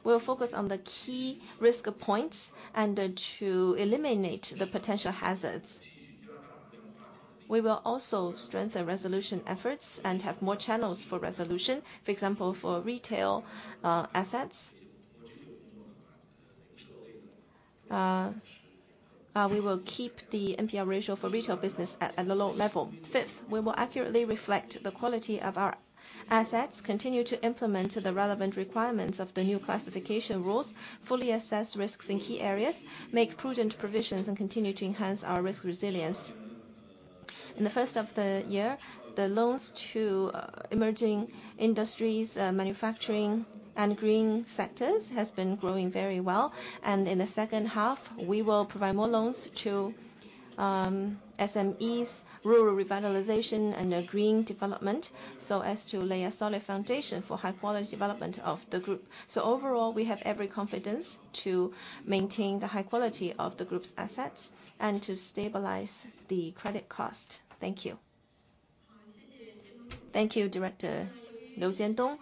we'll focus on the key risk points and to eliminate the potential hazards. We will also strengthen resolution efforts and have more channels for resolution. For example, for retail assets, we will keep the NPL ratio for retail business at a low level. Fifth, we will accurately reflect the quality of our assets, continue to implement the relevant requirements of the new classification rules, fully assess risks in key areas, make prudent provisions, and continue to enhance our risk resilience. In the first of the year, the loans to emerging industries, manufacturing and green sectors, has been growing very well, and in the second half, we will provide more loans to, SMEs, rural revitalization, and green development, so as to lay a solid foundation for high quality development of the group. So overall, we have every confidence to maintain the high quality of the group's assets and to stabilize the credit cost. Thank you. Thank you, Director Liu Jiandong.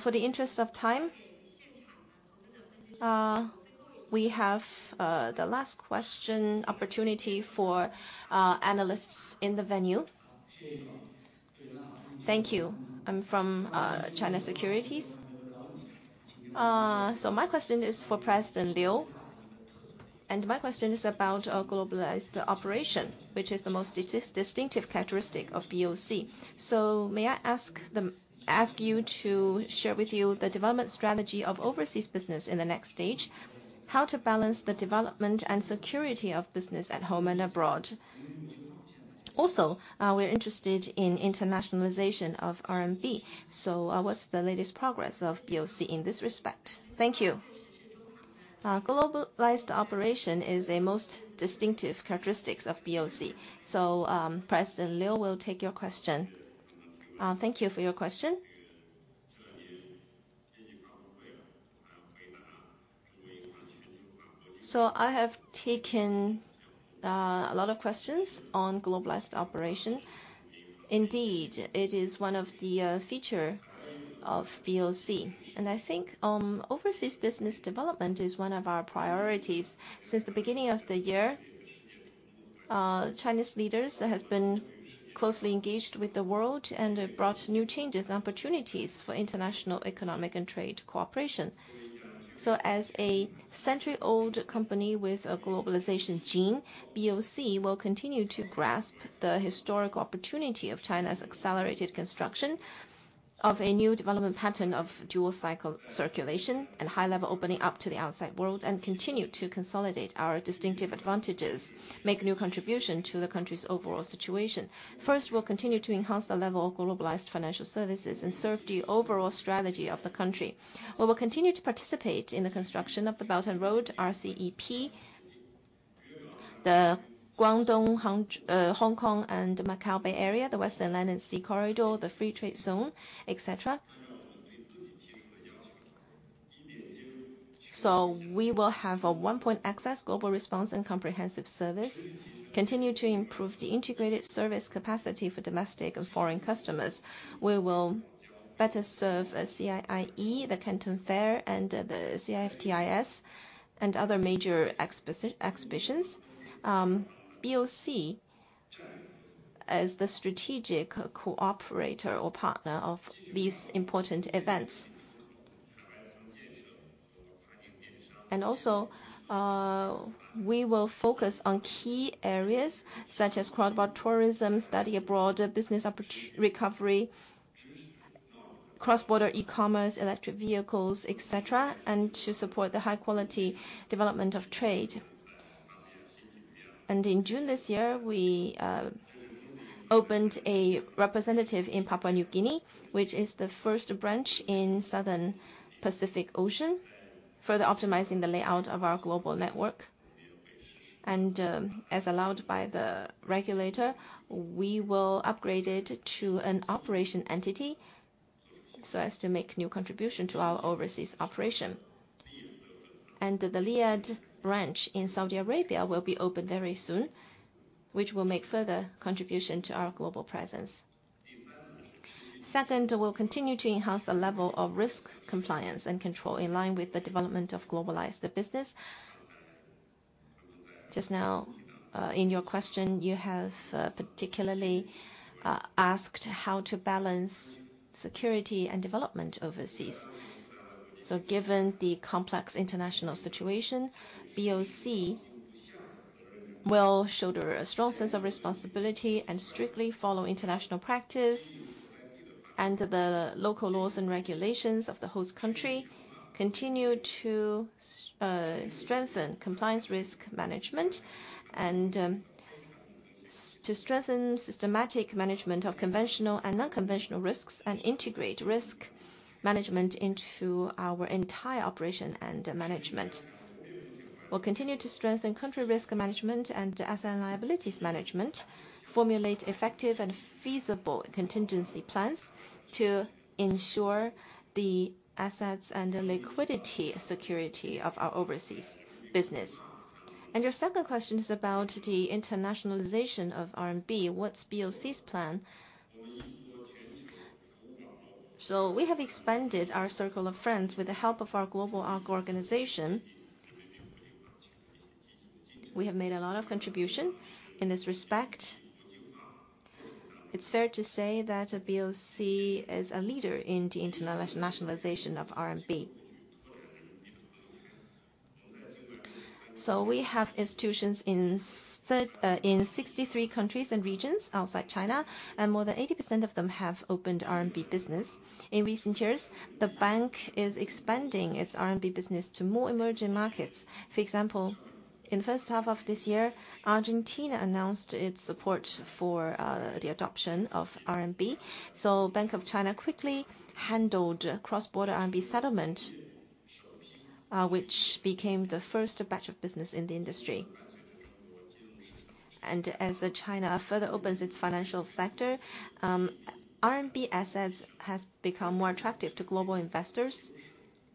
For the interest of time, we have the last question opportunity for analysts in the venue. Thank you. I'm from, China Securities. So my question is for President Liu, and my question is about our globalized operation, which is the most distinctive characteristic of BOC. So may I ask the... Ask you to share with you the development strategy of overseas business in the next stage, how to balance the development and security of business at home and abroad? Also, we're interested in internationalization of RMB. So, what's the latest progress of BOC in this respect? Thank you. Globalized operation is a most distinctive characteristics of BOC. So, President Liu will take your question. Thank you for your question. So I have taken a lot of questions on globalized operation. Indeed, it is one of the feature of BOC, and I think, overseas business development is one of our priorities. Since the beginning of the year, Chinese leaders has been closely engaged with the world and have brought new changes and opportunities for international economic and trade cooperation. So as a century-old company with a globalization gene, BOC will continue to grasp the historic opportunity of China's accelerated construction of a new development pattern of dual cycle circulation and high-level opening up to the outside world, and continue to consolidate our distinctive advantages, make new contribution to the country's overall situation. First, we'll continue to enhance the level of globalized financial services and serve the overall strategy of the country. We will continue to participate in the construction of the Belt and Road, RCEP, the Guangdong-Hong Kong-Macao Greater Bay Area, the Western Land-Sea Corridor, the Free Trade Zone, et cetera. So we will have a one-point access, global response, and comprehensive service, continue to improve the integrated service capacity for domestic and foreign customers. We will better serve CIIE, the Canton Fair, and the CIFTIS and other major exhibitions. BOC, as the strategic cooperator or partner of these important events. And also, we will focus on key areas such as cross-border tourism, study abroad, business opportunities, recovery, cross-border e-commerce, electric vehicles, et cetera, and to support the high quality development of trade. And in June this year, we opened a representative office in Papua New Guinea, which is the first branch in South Pacific Ocean, further optimizing the layout of our global network. And, as allowed by the regulator, we will upgrade it to an operation entity so as to make new contribution to our overseas operation. And the Riyadh branch in Saudi Arabia will be open very soon, which will make further contribution to our global presence. Second, we'll continue to enhance the level of risk, compliance, and control in line with the development of globalized business. Just now, in your question, you have particularly asked how to balance security and development overseas. So given the complex international situation, BOC will show the, a strong sense of responsibility and strictly follow international practice and the local laws and regulations of the host country, continue to strengthen compliance risk management, and, to strengthen systematic management of conventional and non-conventional risks, and integrate risk management into our entire operation and management. We'll continue to strengthen country risk management and asset and liabilities management, formulate effective and feasible contingency plans to ensure the assets and the liquidity security of our overseas business. And your second question is about the internationalization of RMB. What's BOC's plan? So we have expanded our circle of friends with the help of our global organization. We have made a lot of contribution in this respect. It's fair to say that, BOC is a leader in the internationalization of RMB. So we have institutions in 63 countries and regions outside China, and more than 80% of them have opened RMB business. In recent years, the bank is expanding its RMB business to more emerging markets. For example, in the first half of this year, Argentina announced its support for the adoption of RMB. So Bank of China quickly handled cross-border RMB settlement, which became the first batch of business in the industry. And as China further opens its financial sector, RMB assets has become more attractive to global investors,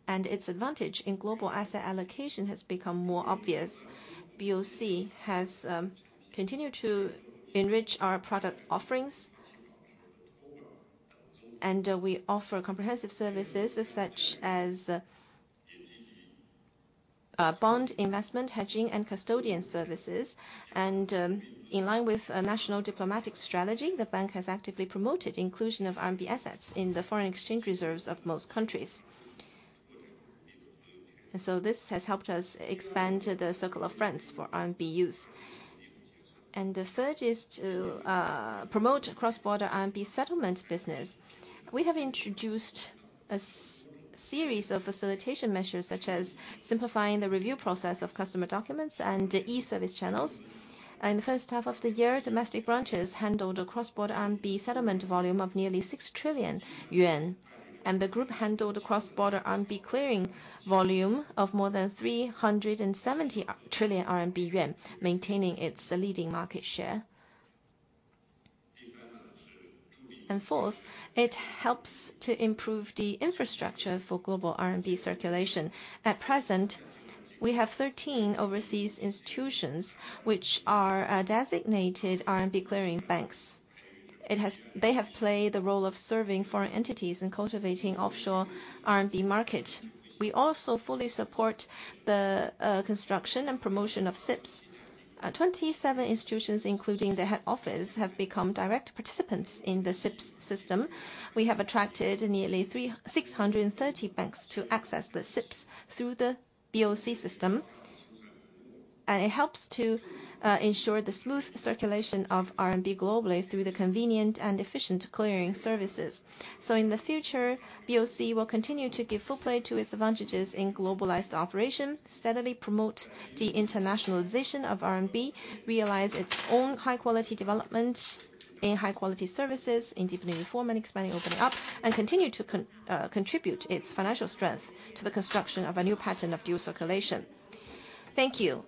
and its advantage in global asset allocation has become more obvious. BOC has continued to enrich our product offerings, and we offer comprehensive services such as bond investment, hedging, and custodian services. In line with a national diplomatic strategy, the bank has actively promoted inclusion of RMB assets in the foreign exchange reserves of most countries. And so this has helped us expand the circle of friends for RMB use. And the third is to promote cross-border RMB settlement business. We have introduced a series of facilitation measures, such as simplifying the review process of customer documents and e-service channels. In the first half of the year, domestic branches handled a cross-border RMB settlement volume of nearly 6 trillion yuan, and the group handled the cross-border RMB clearing volume of more than 370 trillion yuan, maintaining its leading market share. And fourth, it helps to improve the infrastructure for global RMB circulation. At present, we have 13 overseas institutions, which are designated RMB clearing banks. They have played the role of serving foreign entities in cultivating offshore RMB market. We also fully support the construction and promotion of CIPS. Twenty-seven institutions, including the head office, have become direct participants in the CIPS system. We have attracted nearly 360 banks to access the CIPS through the BOC system, and it helps to ensure the smooth circulation of RMB globally through the convenient and efficient clearing services. So in the future, BOC will continue to give full play to its advantages in globalized operation, steadily promote the internationalization of RMB, realize its own high-quality development in high-quality services, in deepening reform and expanding opening up, and continue to contribute its financial strength to the construction of a new pattern of dual circulation. Thank you.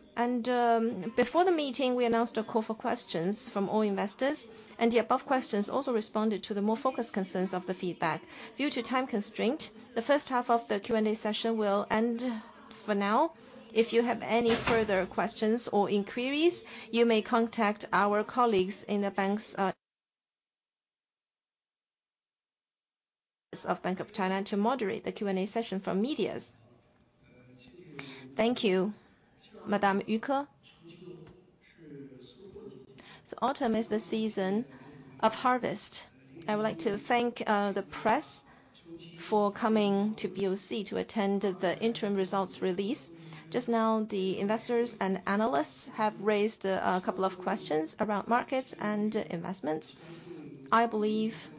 Before the meeting, we announced a call for questions from all investors, and the above questions also responded to the more focused concerns of the feedback. Due to time constraint, the first half of the Q&A session will end for now. If you have any further questions or inquiries, you may contact our colleagues in the banks of Bank of China to moderate the Q&A session for media. Thank you, Madame Yu, So autumn is the season of harvest. I would like to thank the press for coming to BOC to attend the interim results release. Just now, the investors and analysts have raised a couple of questions around markets and investments. I believe that the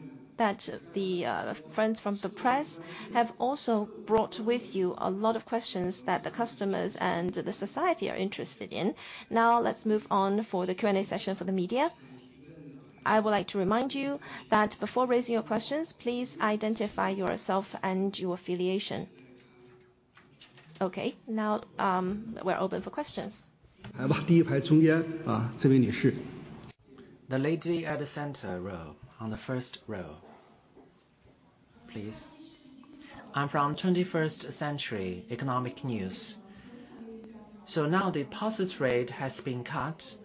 friends from the press have also brought with you a lot of questions that the customers and the society are interested in. Now, let's move on for the Q&A session for the media. I would like to remind you that before raising your questions, please identify yourself and your affiliation. Okay, now, we're open for questions. The lady at the center row, on the first row, please. I'm from 21st Century Business Herald. Now deposit rate has been cut.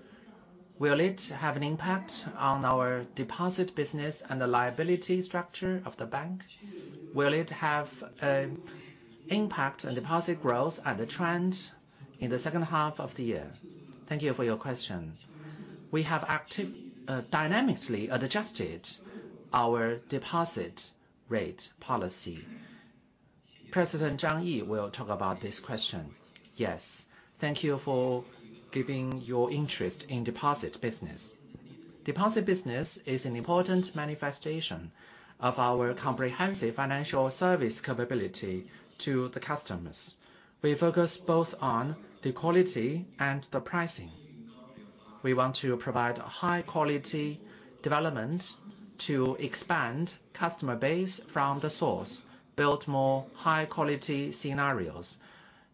...Will it have an impact on our deposit business and the liability structure of the bank? Will it have impact on deposit growth and the trend in the second half of the year? Thank you for your question. We have active, dynamically adjusted our deposit rate policy. President Zhang Yi will talk about this question. Yes. Thank you for giving your interest in deposit business. Deposit business is an important manifestation of our comprehensive financial service capability to the customers. We focus both on the quality and the pricing. We want to provide high-quality development to expand customer base from the source, build more high-quality scenarios,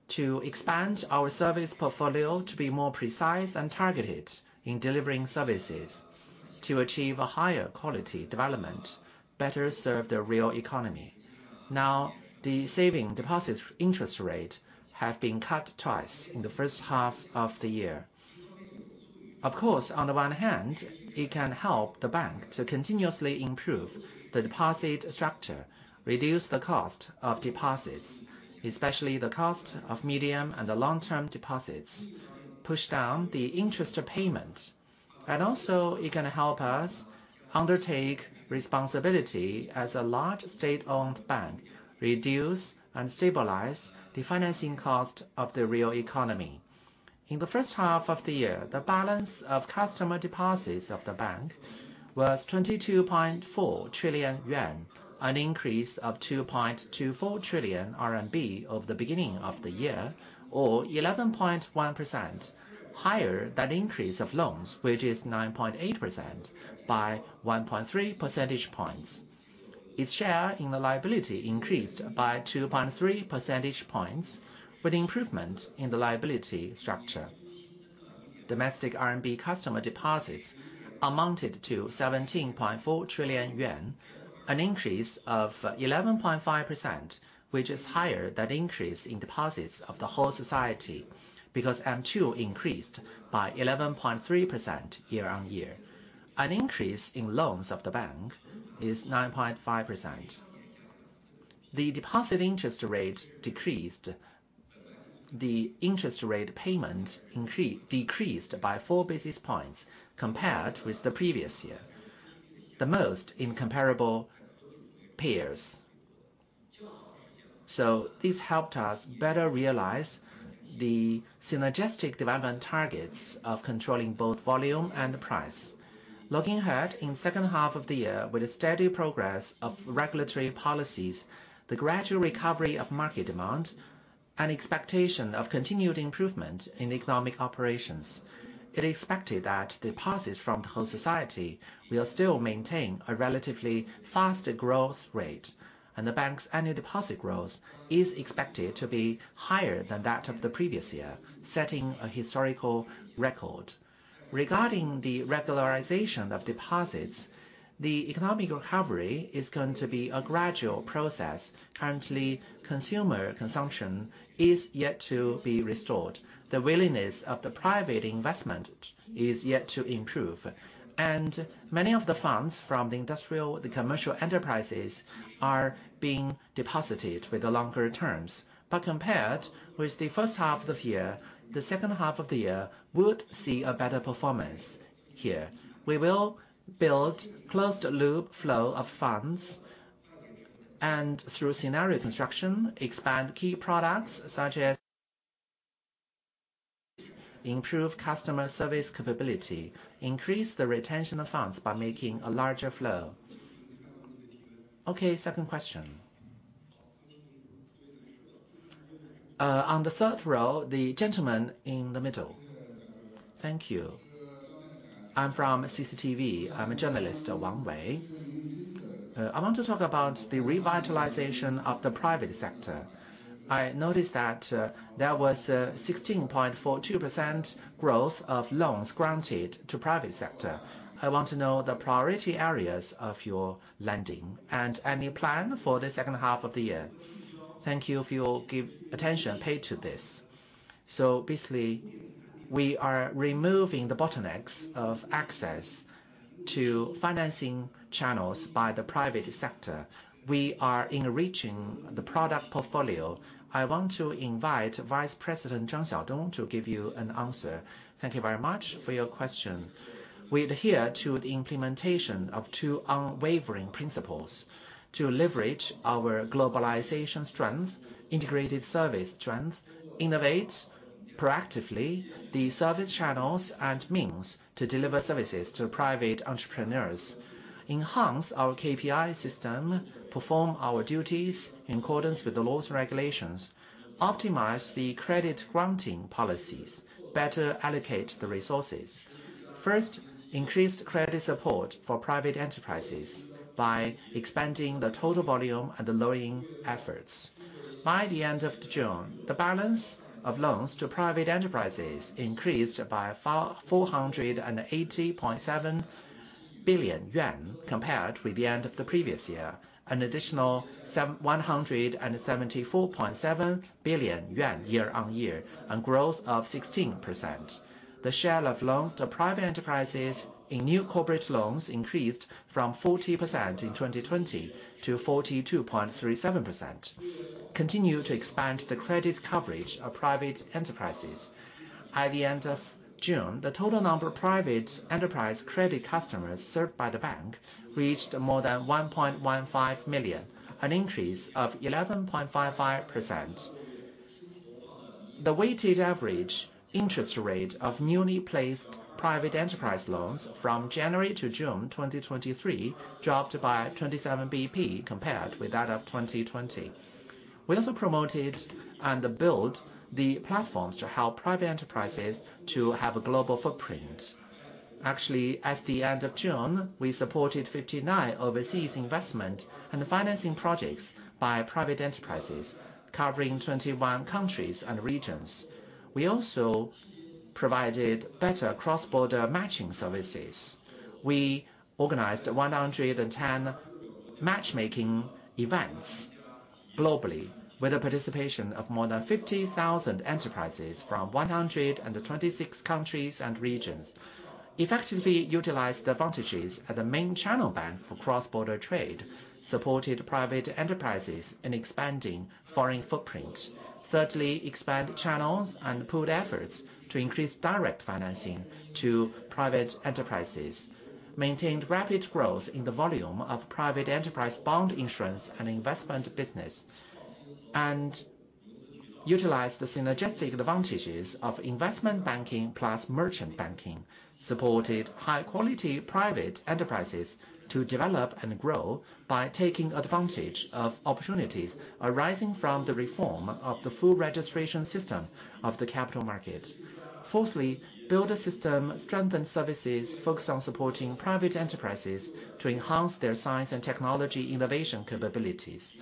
to expand our service portfolio to be more precise and targeted in delivering services, to achieve a higher quality development, better serve the real economy. Now, the savings deposit interest rate have been cut twice in the first half of the year. Of course, on the one hand, it can help the bank to continuously improve the deposit structure, reduce the cost of deposits, especially the cost of medium and the long-term deposits, push down the interest payment, and also it can help us undertake responsibility as a large state-owned bank, reduce and stabilize the financing cost of the real economy. In the first half of the year, the balance of customer deposits of the bank was 22.4 trillion yuan, an increase of 2.24 trillion RMB RMB over the beginning of the year, or 11.1%, higher than increase of loans, which is 9.8% by 1.3 percentage points. Its share in the liability increased by 2.3 percentage points, with improvement in the liability structure. Domestic RMB customer deposits amounted to 17.4 trillion yuan, an increase of 11.5%, which is higher than increase in deposits of the whole society, because M2 increased by 11.3% year-on-year. An increase in loans of the bank is 9.5%. The deposit interest rate decreased. The interest rate payment decreased by 4 basis points compared with the previous year, the most in comparable peers. So this helped us better realize the synergistic development targets of controlling both volume and the price. Looking ahead, in second half of the year, with a steady progress of regulatory policies, the gradual recovery of market demand, and expectation of continued improvement in economic operations, it is expected that deposits from the whole society will still maintain a relatively faster growth rate, and the bank's annual deposit growth is expected to be higher than that of the previous year, setting a historical record. Regarding the regularization of deposits, the economic recovery is going to be a gradual process. Currently, consumer consumption is yet to be restored. The willingness of the private investment is yet to improve, and many of the funds from the industrial, the commercial enterprises are being deposited with the longer terms. But compared with the first half of the year, the second half of the year would see a better performance here. We will build closed-loop flow of funds, and through scenario construction, expand key products such as... improve customer service capability, increase the retention of funds by making a larger flow. Okay, second question. On the third row, the gentleman in the middle. Thank you. I'm from CCTV. I'm a journalist, Wang Wei. I want to talk about the revitalization of the private sector. I noticed that there was a 16.42% growth of loans granted to private sector. I want to know the priority areas of your lending and any plan for the second half of the year. Thank you if you give attention paid to this. So basically, we are removing the bottlenecks of access to financing channels by the private sector. We are enriching the product portfolio. I want to invite Vice President Zhang Xiaodong to give you an answer. Thank you very much for your question. We adhere to the implementation of two unwavering principles: to leverage our globalization strength, integrated service strength, innovate proactively the service channels and means to deliver services to private entrepreneurs, enhance our KPI system, perform our duties in accordance with the laws and regulations, optimize the credit granting policies, better allocate the resources. First, increased credit support for private enterprises by expanding the total volume and the lowering efforts. By the end of June, the balance of loans to private enterprises increased by 480.7 billion yuan compared with the end of the previous year, an additional 174.7 billion yuan year on year, and growth of 16%. The share of loans to private enterprises in new corporate loans increased from 40% in 2020 to 42.37%. Continue to expand the credit coverage of private enterprises. At the end of June, the total number of private enterprise credit customers served by the bank reached more than 1.15 million, an increase of 11.55%. The weighted average interest rate of newly placed private enterprise loans from January to June 2023 dropped by 27 BP compared with that of 2020. We also promoted and built the platforms to help private enterprises to have a global footprint. Actually, at the end of June, we supported 59 overseas investment and financing projects by private enterprises, covering 21 countries and regions. We also provided better cross-border matching services. We organized 110 matchmaking events globally, with the participation of more than 50,000 enterprises from 126 countries and regions. Effectively utilized the advantages as a main channel bank for cross-border trade, supported private enterprises in expanding foreign footprint. Thirdly, expand channels and pooled efforts to increase direct financing to private enterprises, maintained rapid growth in the volume of private enterprise bond insurance and investment business, and utilized the synergistic advantages of investment banking plus merchant banking. Supported high-quality private enterprises to develop and grow by taking advantage of opportunities arising from the reform of the full registration system of the capital market. Fourthly, build a system, strengthen services, focused on supporting private enterprises to enhance their science and technology innovation capabilities.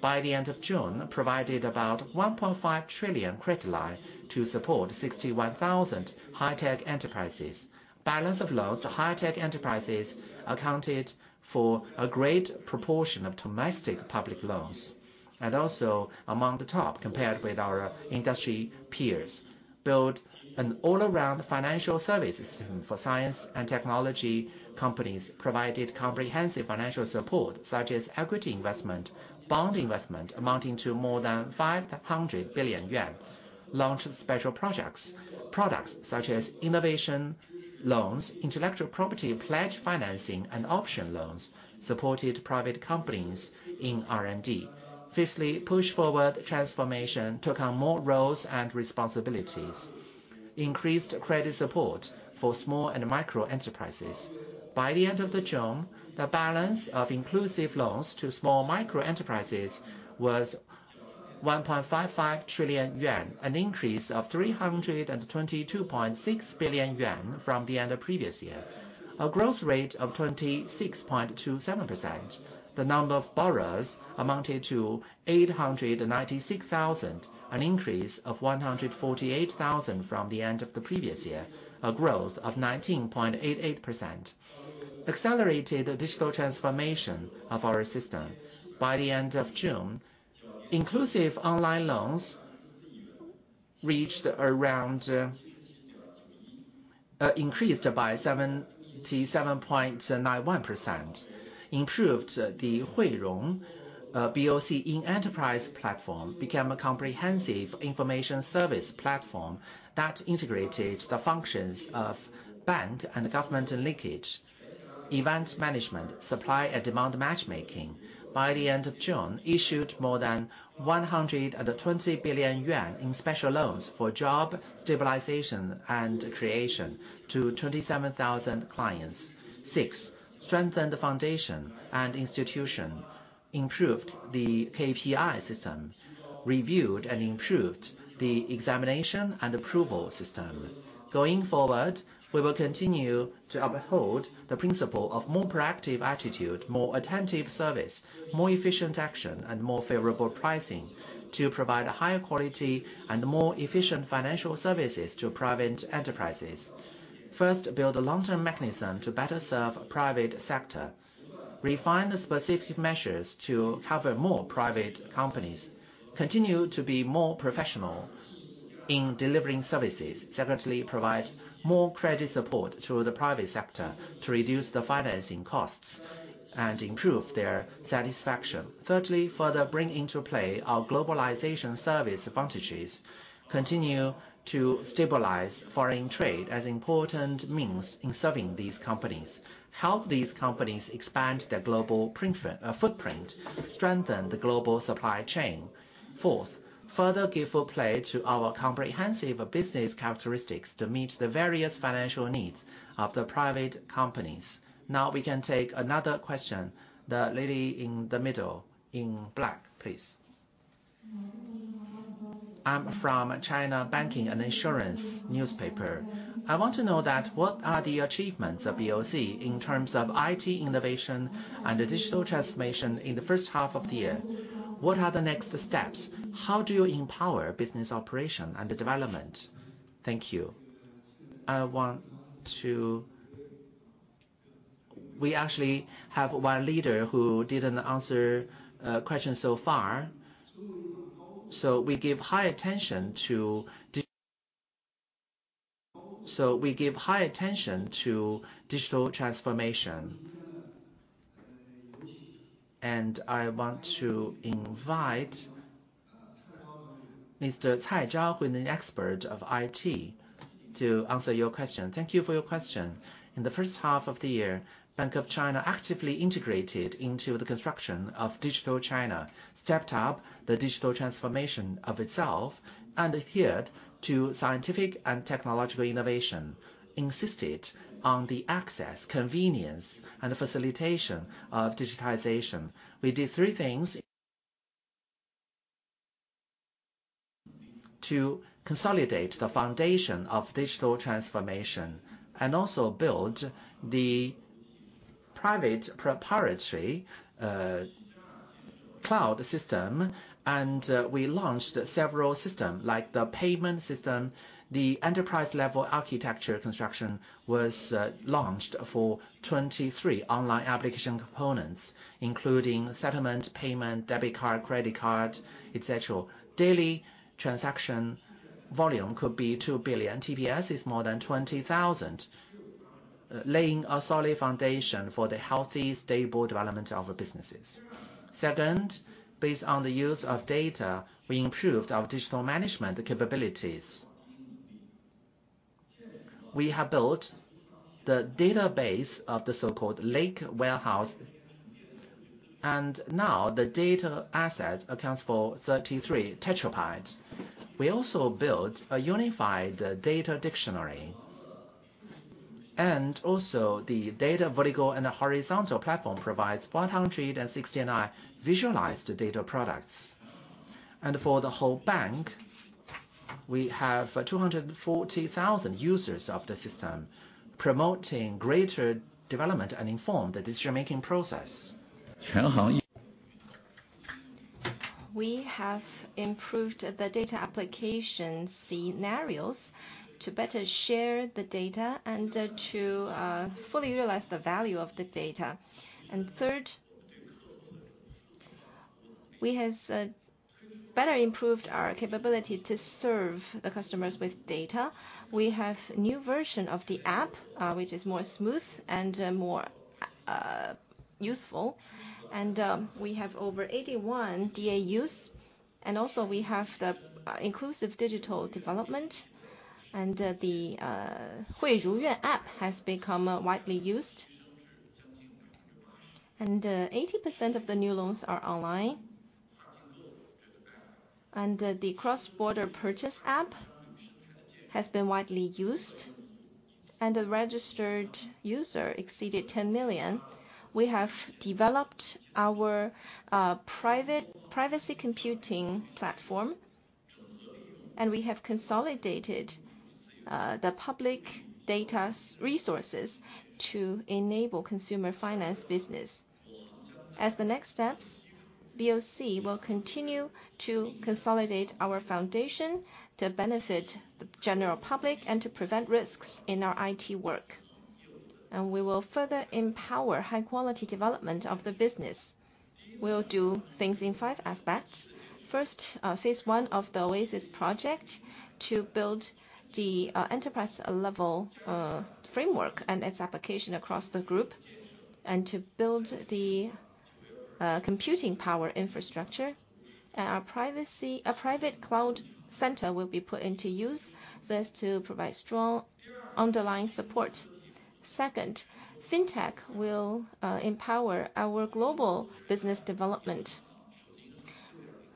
By the end of June, provided about 1.5 trillion credit line to support 61,000 high-tech enterprises. Balance of loans to high-tech enterprises accounted for a great proportion of domestic public loans, and also among the top compared with our industry peers. Build an all-around financial services system for science and technology companies, provided comprehensive financial support, such as equity investment, bond investment amounting to more than 500 billion yuan. Launched special projects, products such as innovation loans, intellectual property pledge financing, and option loans, supported private companies in R&D. Fifthly, pushed forward transformation, took on more roles and responsibilities, increased credit support for small and micro enterprises. By the end of June, the balance of inclusive loans to small micro enterprises was 1.55 trillion yuan, an increase of 322.6 billion yuan from the end of previous year, a growth rate of 26.27%. The number of borrowers amounted to 896,000, an increase of 148,000 from the end of the previous year, a growth of 19.88%. Accelerated the digital transformation of our system. By the end of June, inclusive online loans increased by 77.91%. Improved the Huiruyuan, BOC in enterprise platform, became a comprehensive information service platform that integrated the functions of bank and government linkage, event management, supply and demand matchmaking. By the end of June, issued more than 120 billion yuan in special loans for job stabilization and creation to 27,000 clients. 6, strengthened the foundation and institution, improved the KPI system, reviewed and improved the examination and approval system. Going forward, we will continue to uphold the principle of more proactive attitude, more attentive service, more efficient action, and more favorable pricing to provide higher quality and more efficient financial services to private enterprises. First, build a long-term mechanism to better serve private sector. Refine the specific measures to cover more private companies. Continue to be more professional in delivering services. Secondly, provide more credit support to the private sector to reduce the financing costs and improve their satisfaction. Thirdly, further bring into play our globalization service advantages. Continue to stabilize foreign trade as important means in serving these companies. Help these companies expand their global footprint, strengthen the global supply chain. Fourth, further give full play to our comprehensive business characteristics to meet the various financial needs of the private companies. Now we can take another question. The lady in the middle in black, please. I'm from China Banking and Insurance News I want to know that what are the achievements of BOC in terms of IT innovation and digital transformation in the first half of the year? What are the next steps? How do you empower business operation and development? Thank you. We actually have one leader who didn't answer question so far. So we give high attention to digital transformation. And I want to invite the CIO, who is an expert of IT, to answer your question. Thank you for your question. In the first half of the year, Bank of China actively integrated into the construction of digital China, stepped up the digital transformation of itself, and adhered to scientific and technological innovation, insisted on the access, convenience, and facilitation of digitization. We did three things to consolidate the foundation of digital transformation, and also build the private proprietary cloud system, and we launched several system, like the payment system. The enterprise-level architecture construction was launched for 23 online application components, including settlement, payment, debit card, credit card, et cetera. Daily transaction volume could be 2 billion. TPS is more than 20,000, laying a solid foundation for the healthy, stable development of our businesses. Second, based on the use of data, we improved our digital management capabilities. We have built the database of the so-called lakehouse, and now the data asset accounts for 33 petabytes. We also built a unified data dictionary, and also the data vertical and horizontal platform provides 169 visualized data products. For the whole bank, we have 240,000 users of the system, promoting greater development and inform the decision-making process. We have improved the data application scenarios to better share the data and to fully realize the value of the data. And third, we has better improved our capability to serve the customers with data. We have new version of the app, which is more smooth and more useful. And we have over 81 DAUs, and also we have the inclusive digital development, and the Huiruyuan app has become widely used. And 80% of the new loans are online, and the cross-border purchase app has been widely used, and the registered user exceeded 10 million. We have developed our private privacy computing platform, and we have consolidated the public data resources to enable consumer finance business. As the next steps, BOC will continue to consolidate our foundation to benefit the general public and to prevent risks in our IT work, and we will further empower high-quality development of the business. We'll do things in five aspects. First, phase one of the Oasis project, to build the enterprise level framework and its application across the group, and to build the computing power infrastructure. And our private cloud center will be put into use so as to provide strong underlying support. Second, fintech will empower our global business development.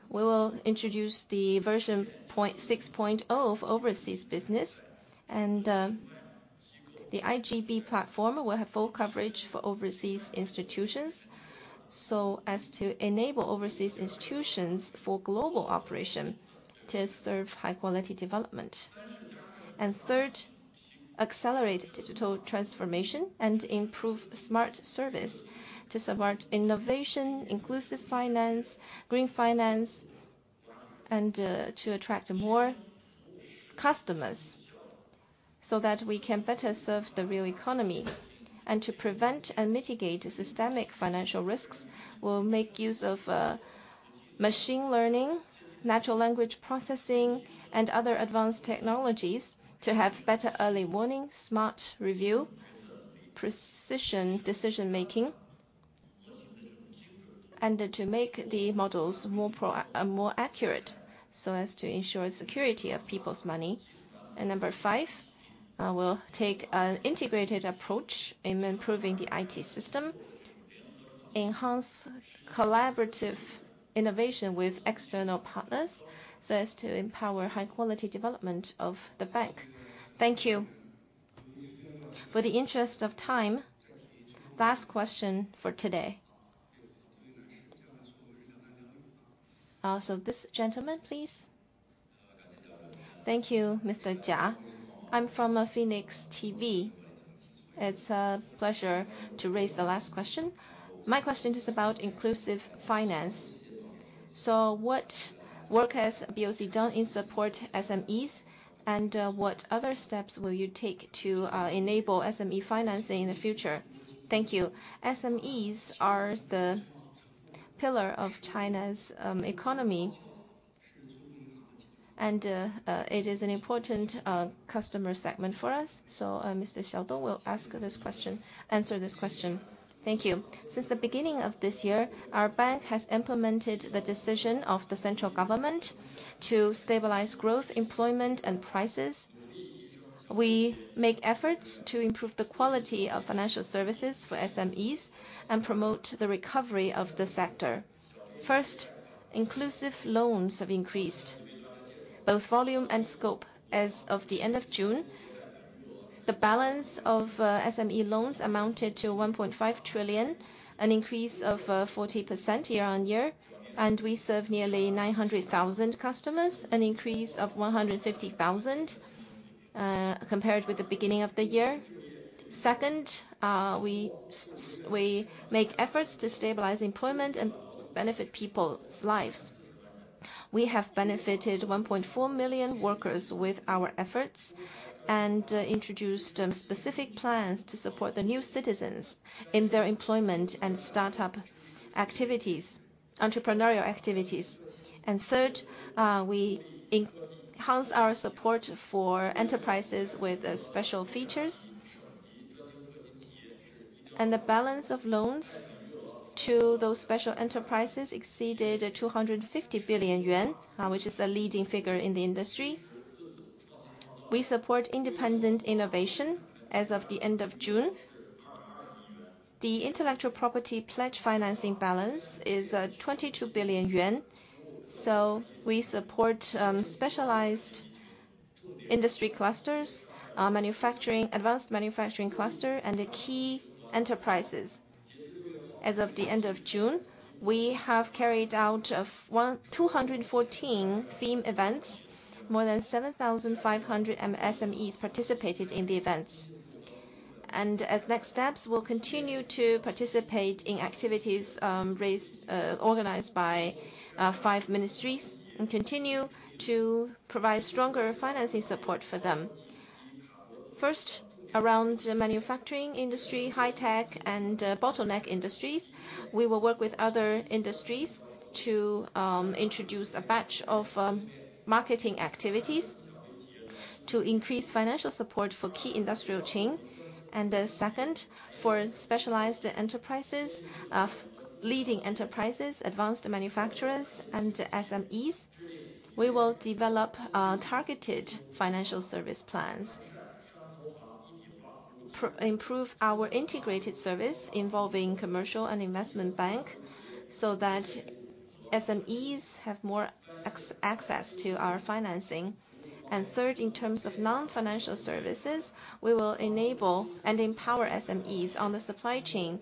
We will introduce the version 6.0 for overseas business, and the iGTB platform will have full coverage for overseas institutions, so as to enable overseas institutions for global operation to serve high quality development. And third, accelerate digital transformation and improve smart service to support innovation, inclusive finance, green finance, and to attract more customers so that we can better serve the real economy. And to prevent and mitigate systemic financial risks, we'll make use of machine learning, natural language processing, and other advanced technologies to have better early warning, smart review, precision decision making, and to make the models more accurate, so as to ensure security of people's money. And number five, we'll take an integrated approach in improving the IT system, enhance collaborative innovation with external partners, so as to empower high quality development of the bank. Thank you. For the interest of time, last question for today. So this gentleman, please. Thank you, Mr. Jia. I'm from Phoenix TV. It's a pleasure to raise the last question. My question is about inclusive finance.... So what work has BOC done in support SMEs? And, what other steps will you take to, enable SME financing in the future? Thank you. SMEs are the pillar of China's, economy, and, it is an important, customer segment for us. So, Mr. Xiaodong will ask this question-- answer this question. Thank you. Since the beginning of this year, our bank has implemented the decision of the central government to stabilize growth, employment and prices. We make efforts to improve the quality of financial services for SMEs and promote the recovery of the sector. First, inclusive loans have increased both volume and scope. As of the end of June, the balance of SME loans amounted to 1.5 trillion, an increase of 40% year-on-year, and we serve nearly 900,000 customers, an increase of 150,000 compared with the beginning of the year. Second, we make efforts to stabilize employment and benefit people's lives. We have benefited 1.4 million workers with our efforts and introduced specific plans to support the new citizens in their employment and startup activities, entrepreneurial activities. Third, we enhance our support for enterprises with special features. The balance of loans to those special enterprises exceeded 250 billion yuan, which is a leading figure in the industry. We support independent innovation. As of the end of June, the intellectual property pledge financing balance is 22 billion yuan. So we support specialized industry clusters, manufacturing, advanced manufacturing cluster and the key enterprises. As of the end of June, we have carried out of 1,214 theme events. More than 7,500 SMEs participated in the events. And as next steps, we'll continue to participate in activities raised, organized by five ministries and continue to provide stronger financing support for them. First, around the manufacturing industry, high tech and bottleneck industries, we will work with other industries to introduce a batch of marketing activities to increase financial support for key industrial chain. And the second, for specialized enterprises, leading enterprises, advanced manufacturers and SMEs, we will develop targeted financial service plans. improve our integrated service involving commercial and investment bank, so that SMEs have more access to our financing. And third, in terms of non-financial services, we will enable and empower SMEs on the supply chain,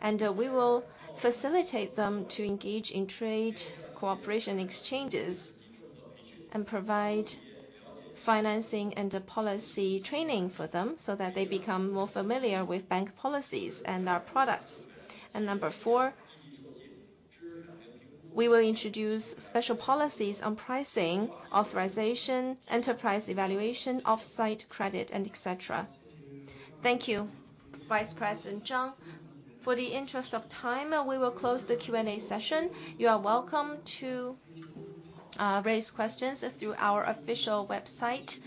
and we will facilitate them to engage in trade cooperation exchanges and provide financing and policy training for them, so that they become more familiar with bank policies and our products. And number four, we will introduce special policies on pricing, authorization, enterprise evaluation, offsite credit and et cetera. Thank you, Vice President Zhang. In the interest of time, we will close the Q&A session. You are welcome to raise questions through our official website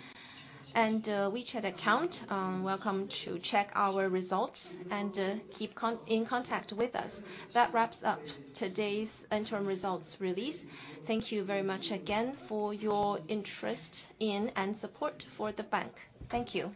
and WeChat account. Welcome to check our results and keep in contact with us. That wraps up today's interim results release. Thank you very much again for your interest in and support for the bank. Thank you.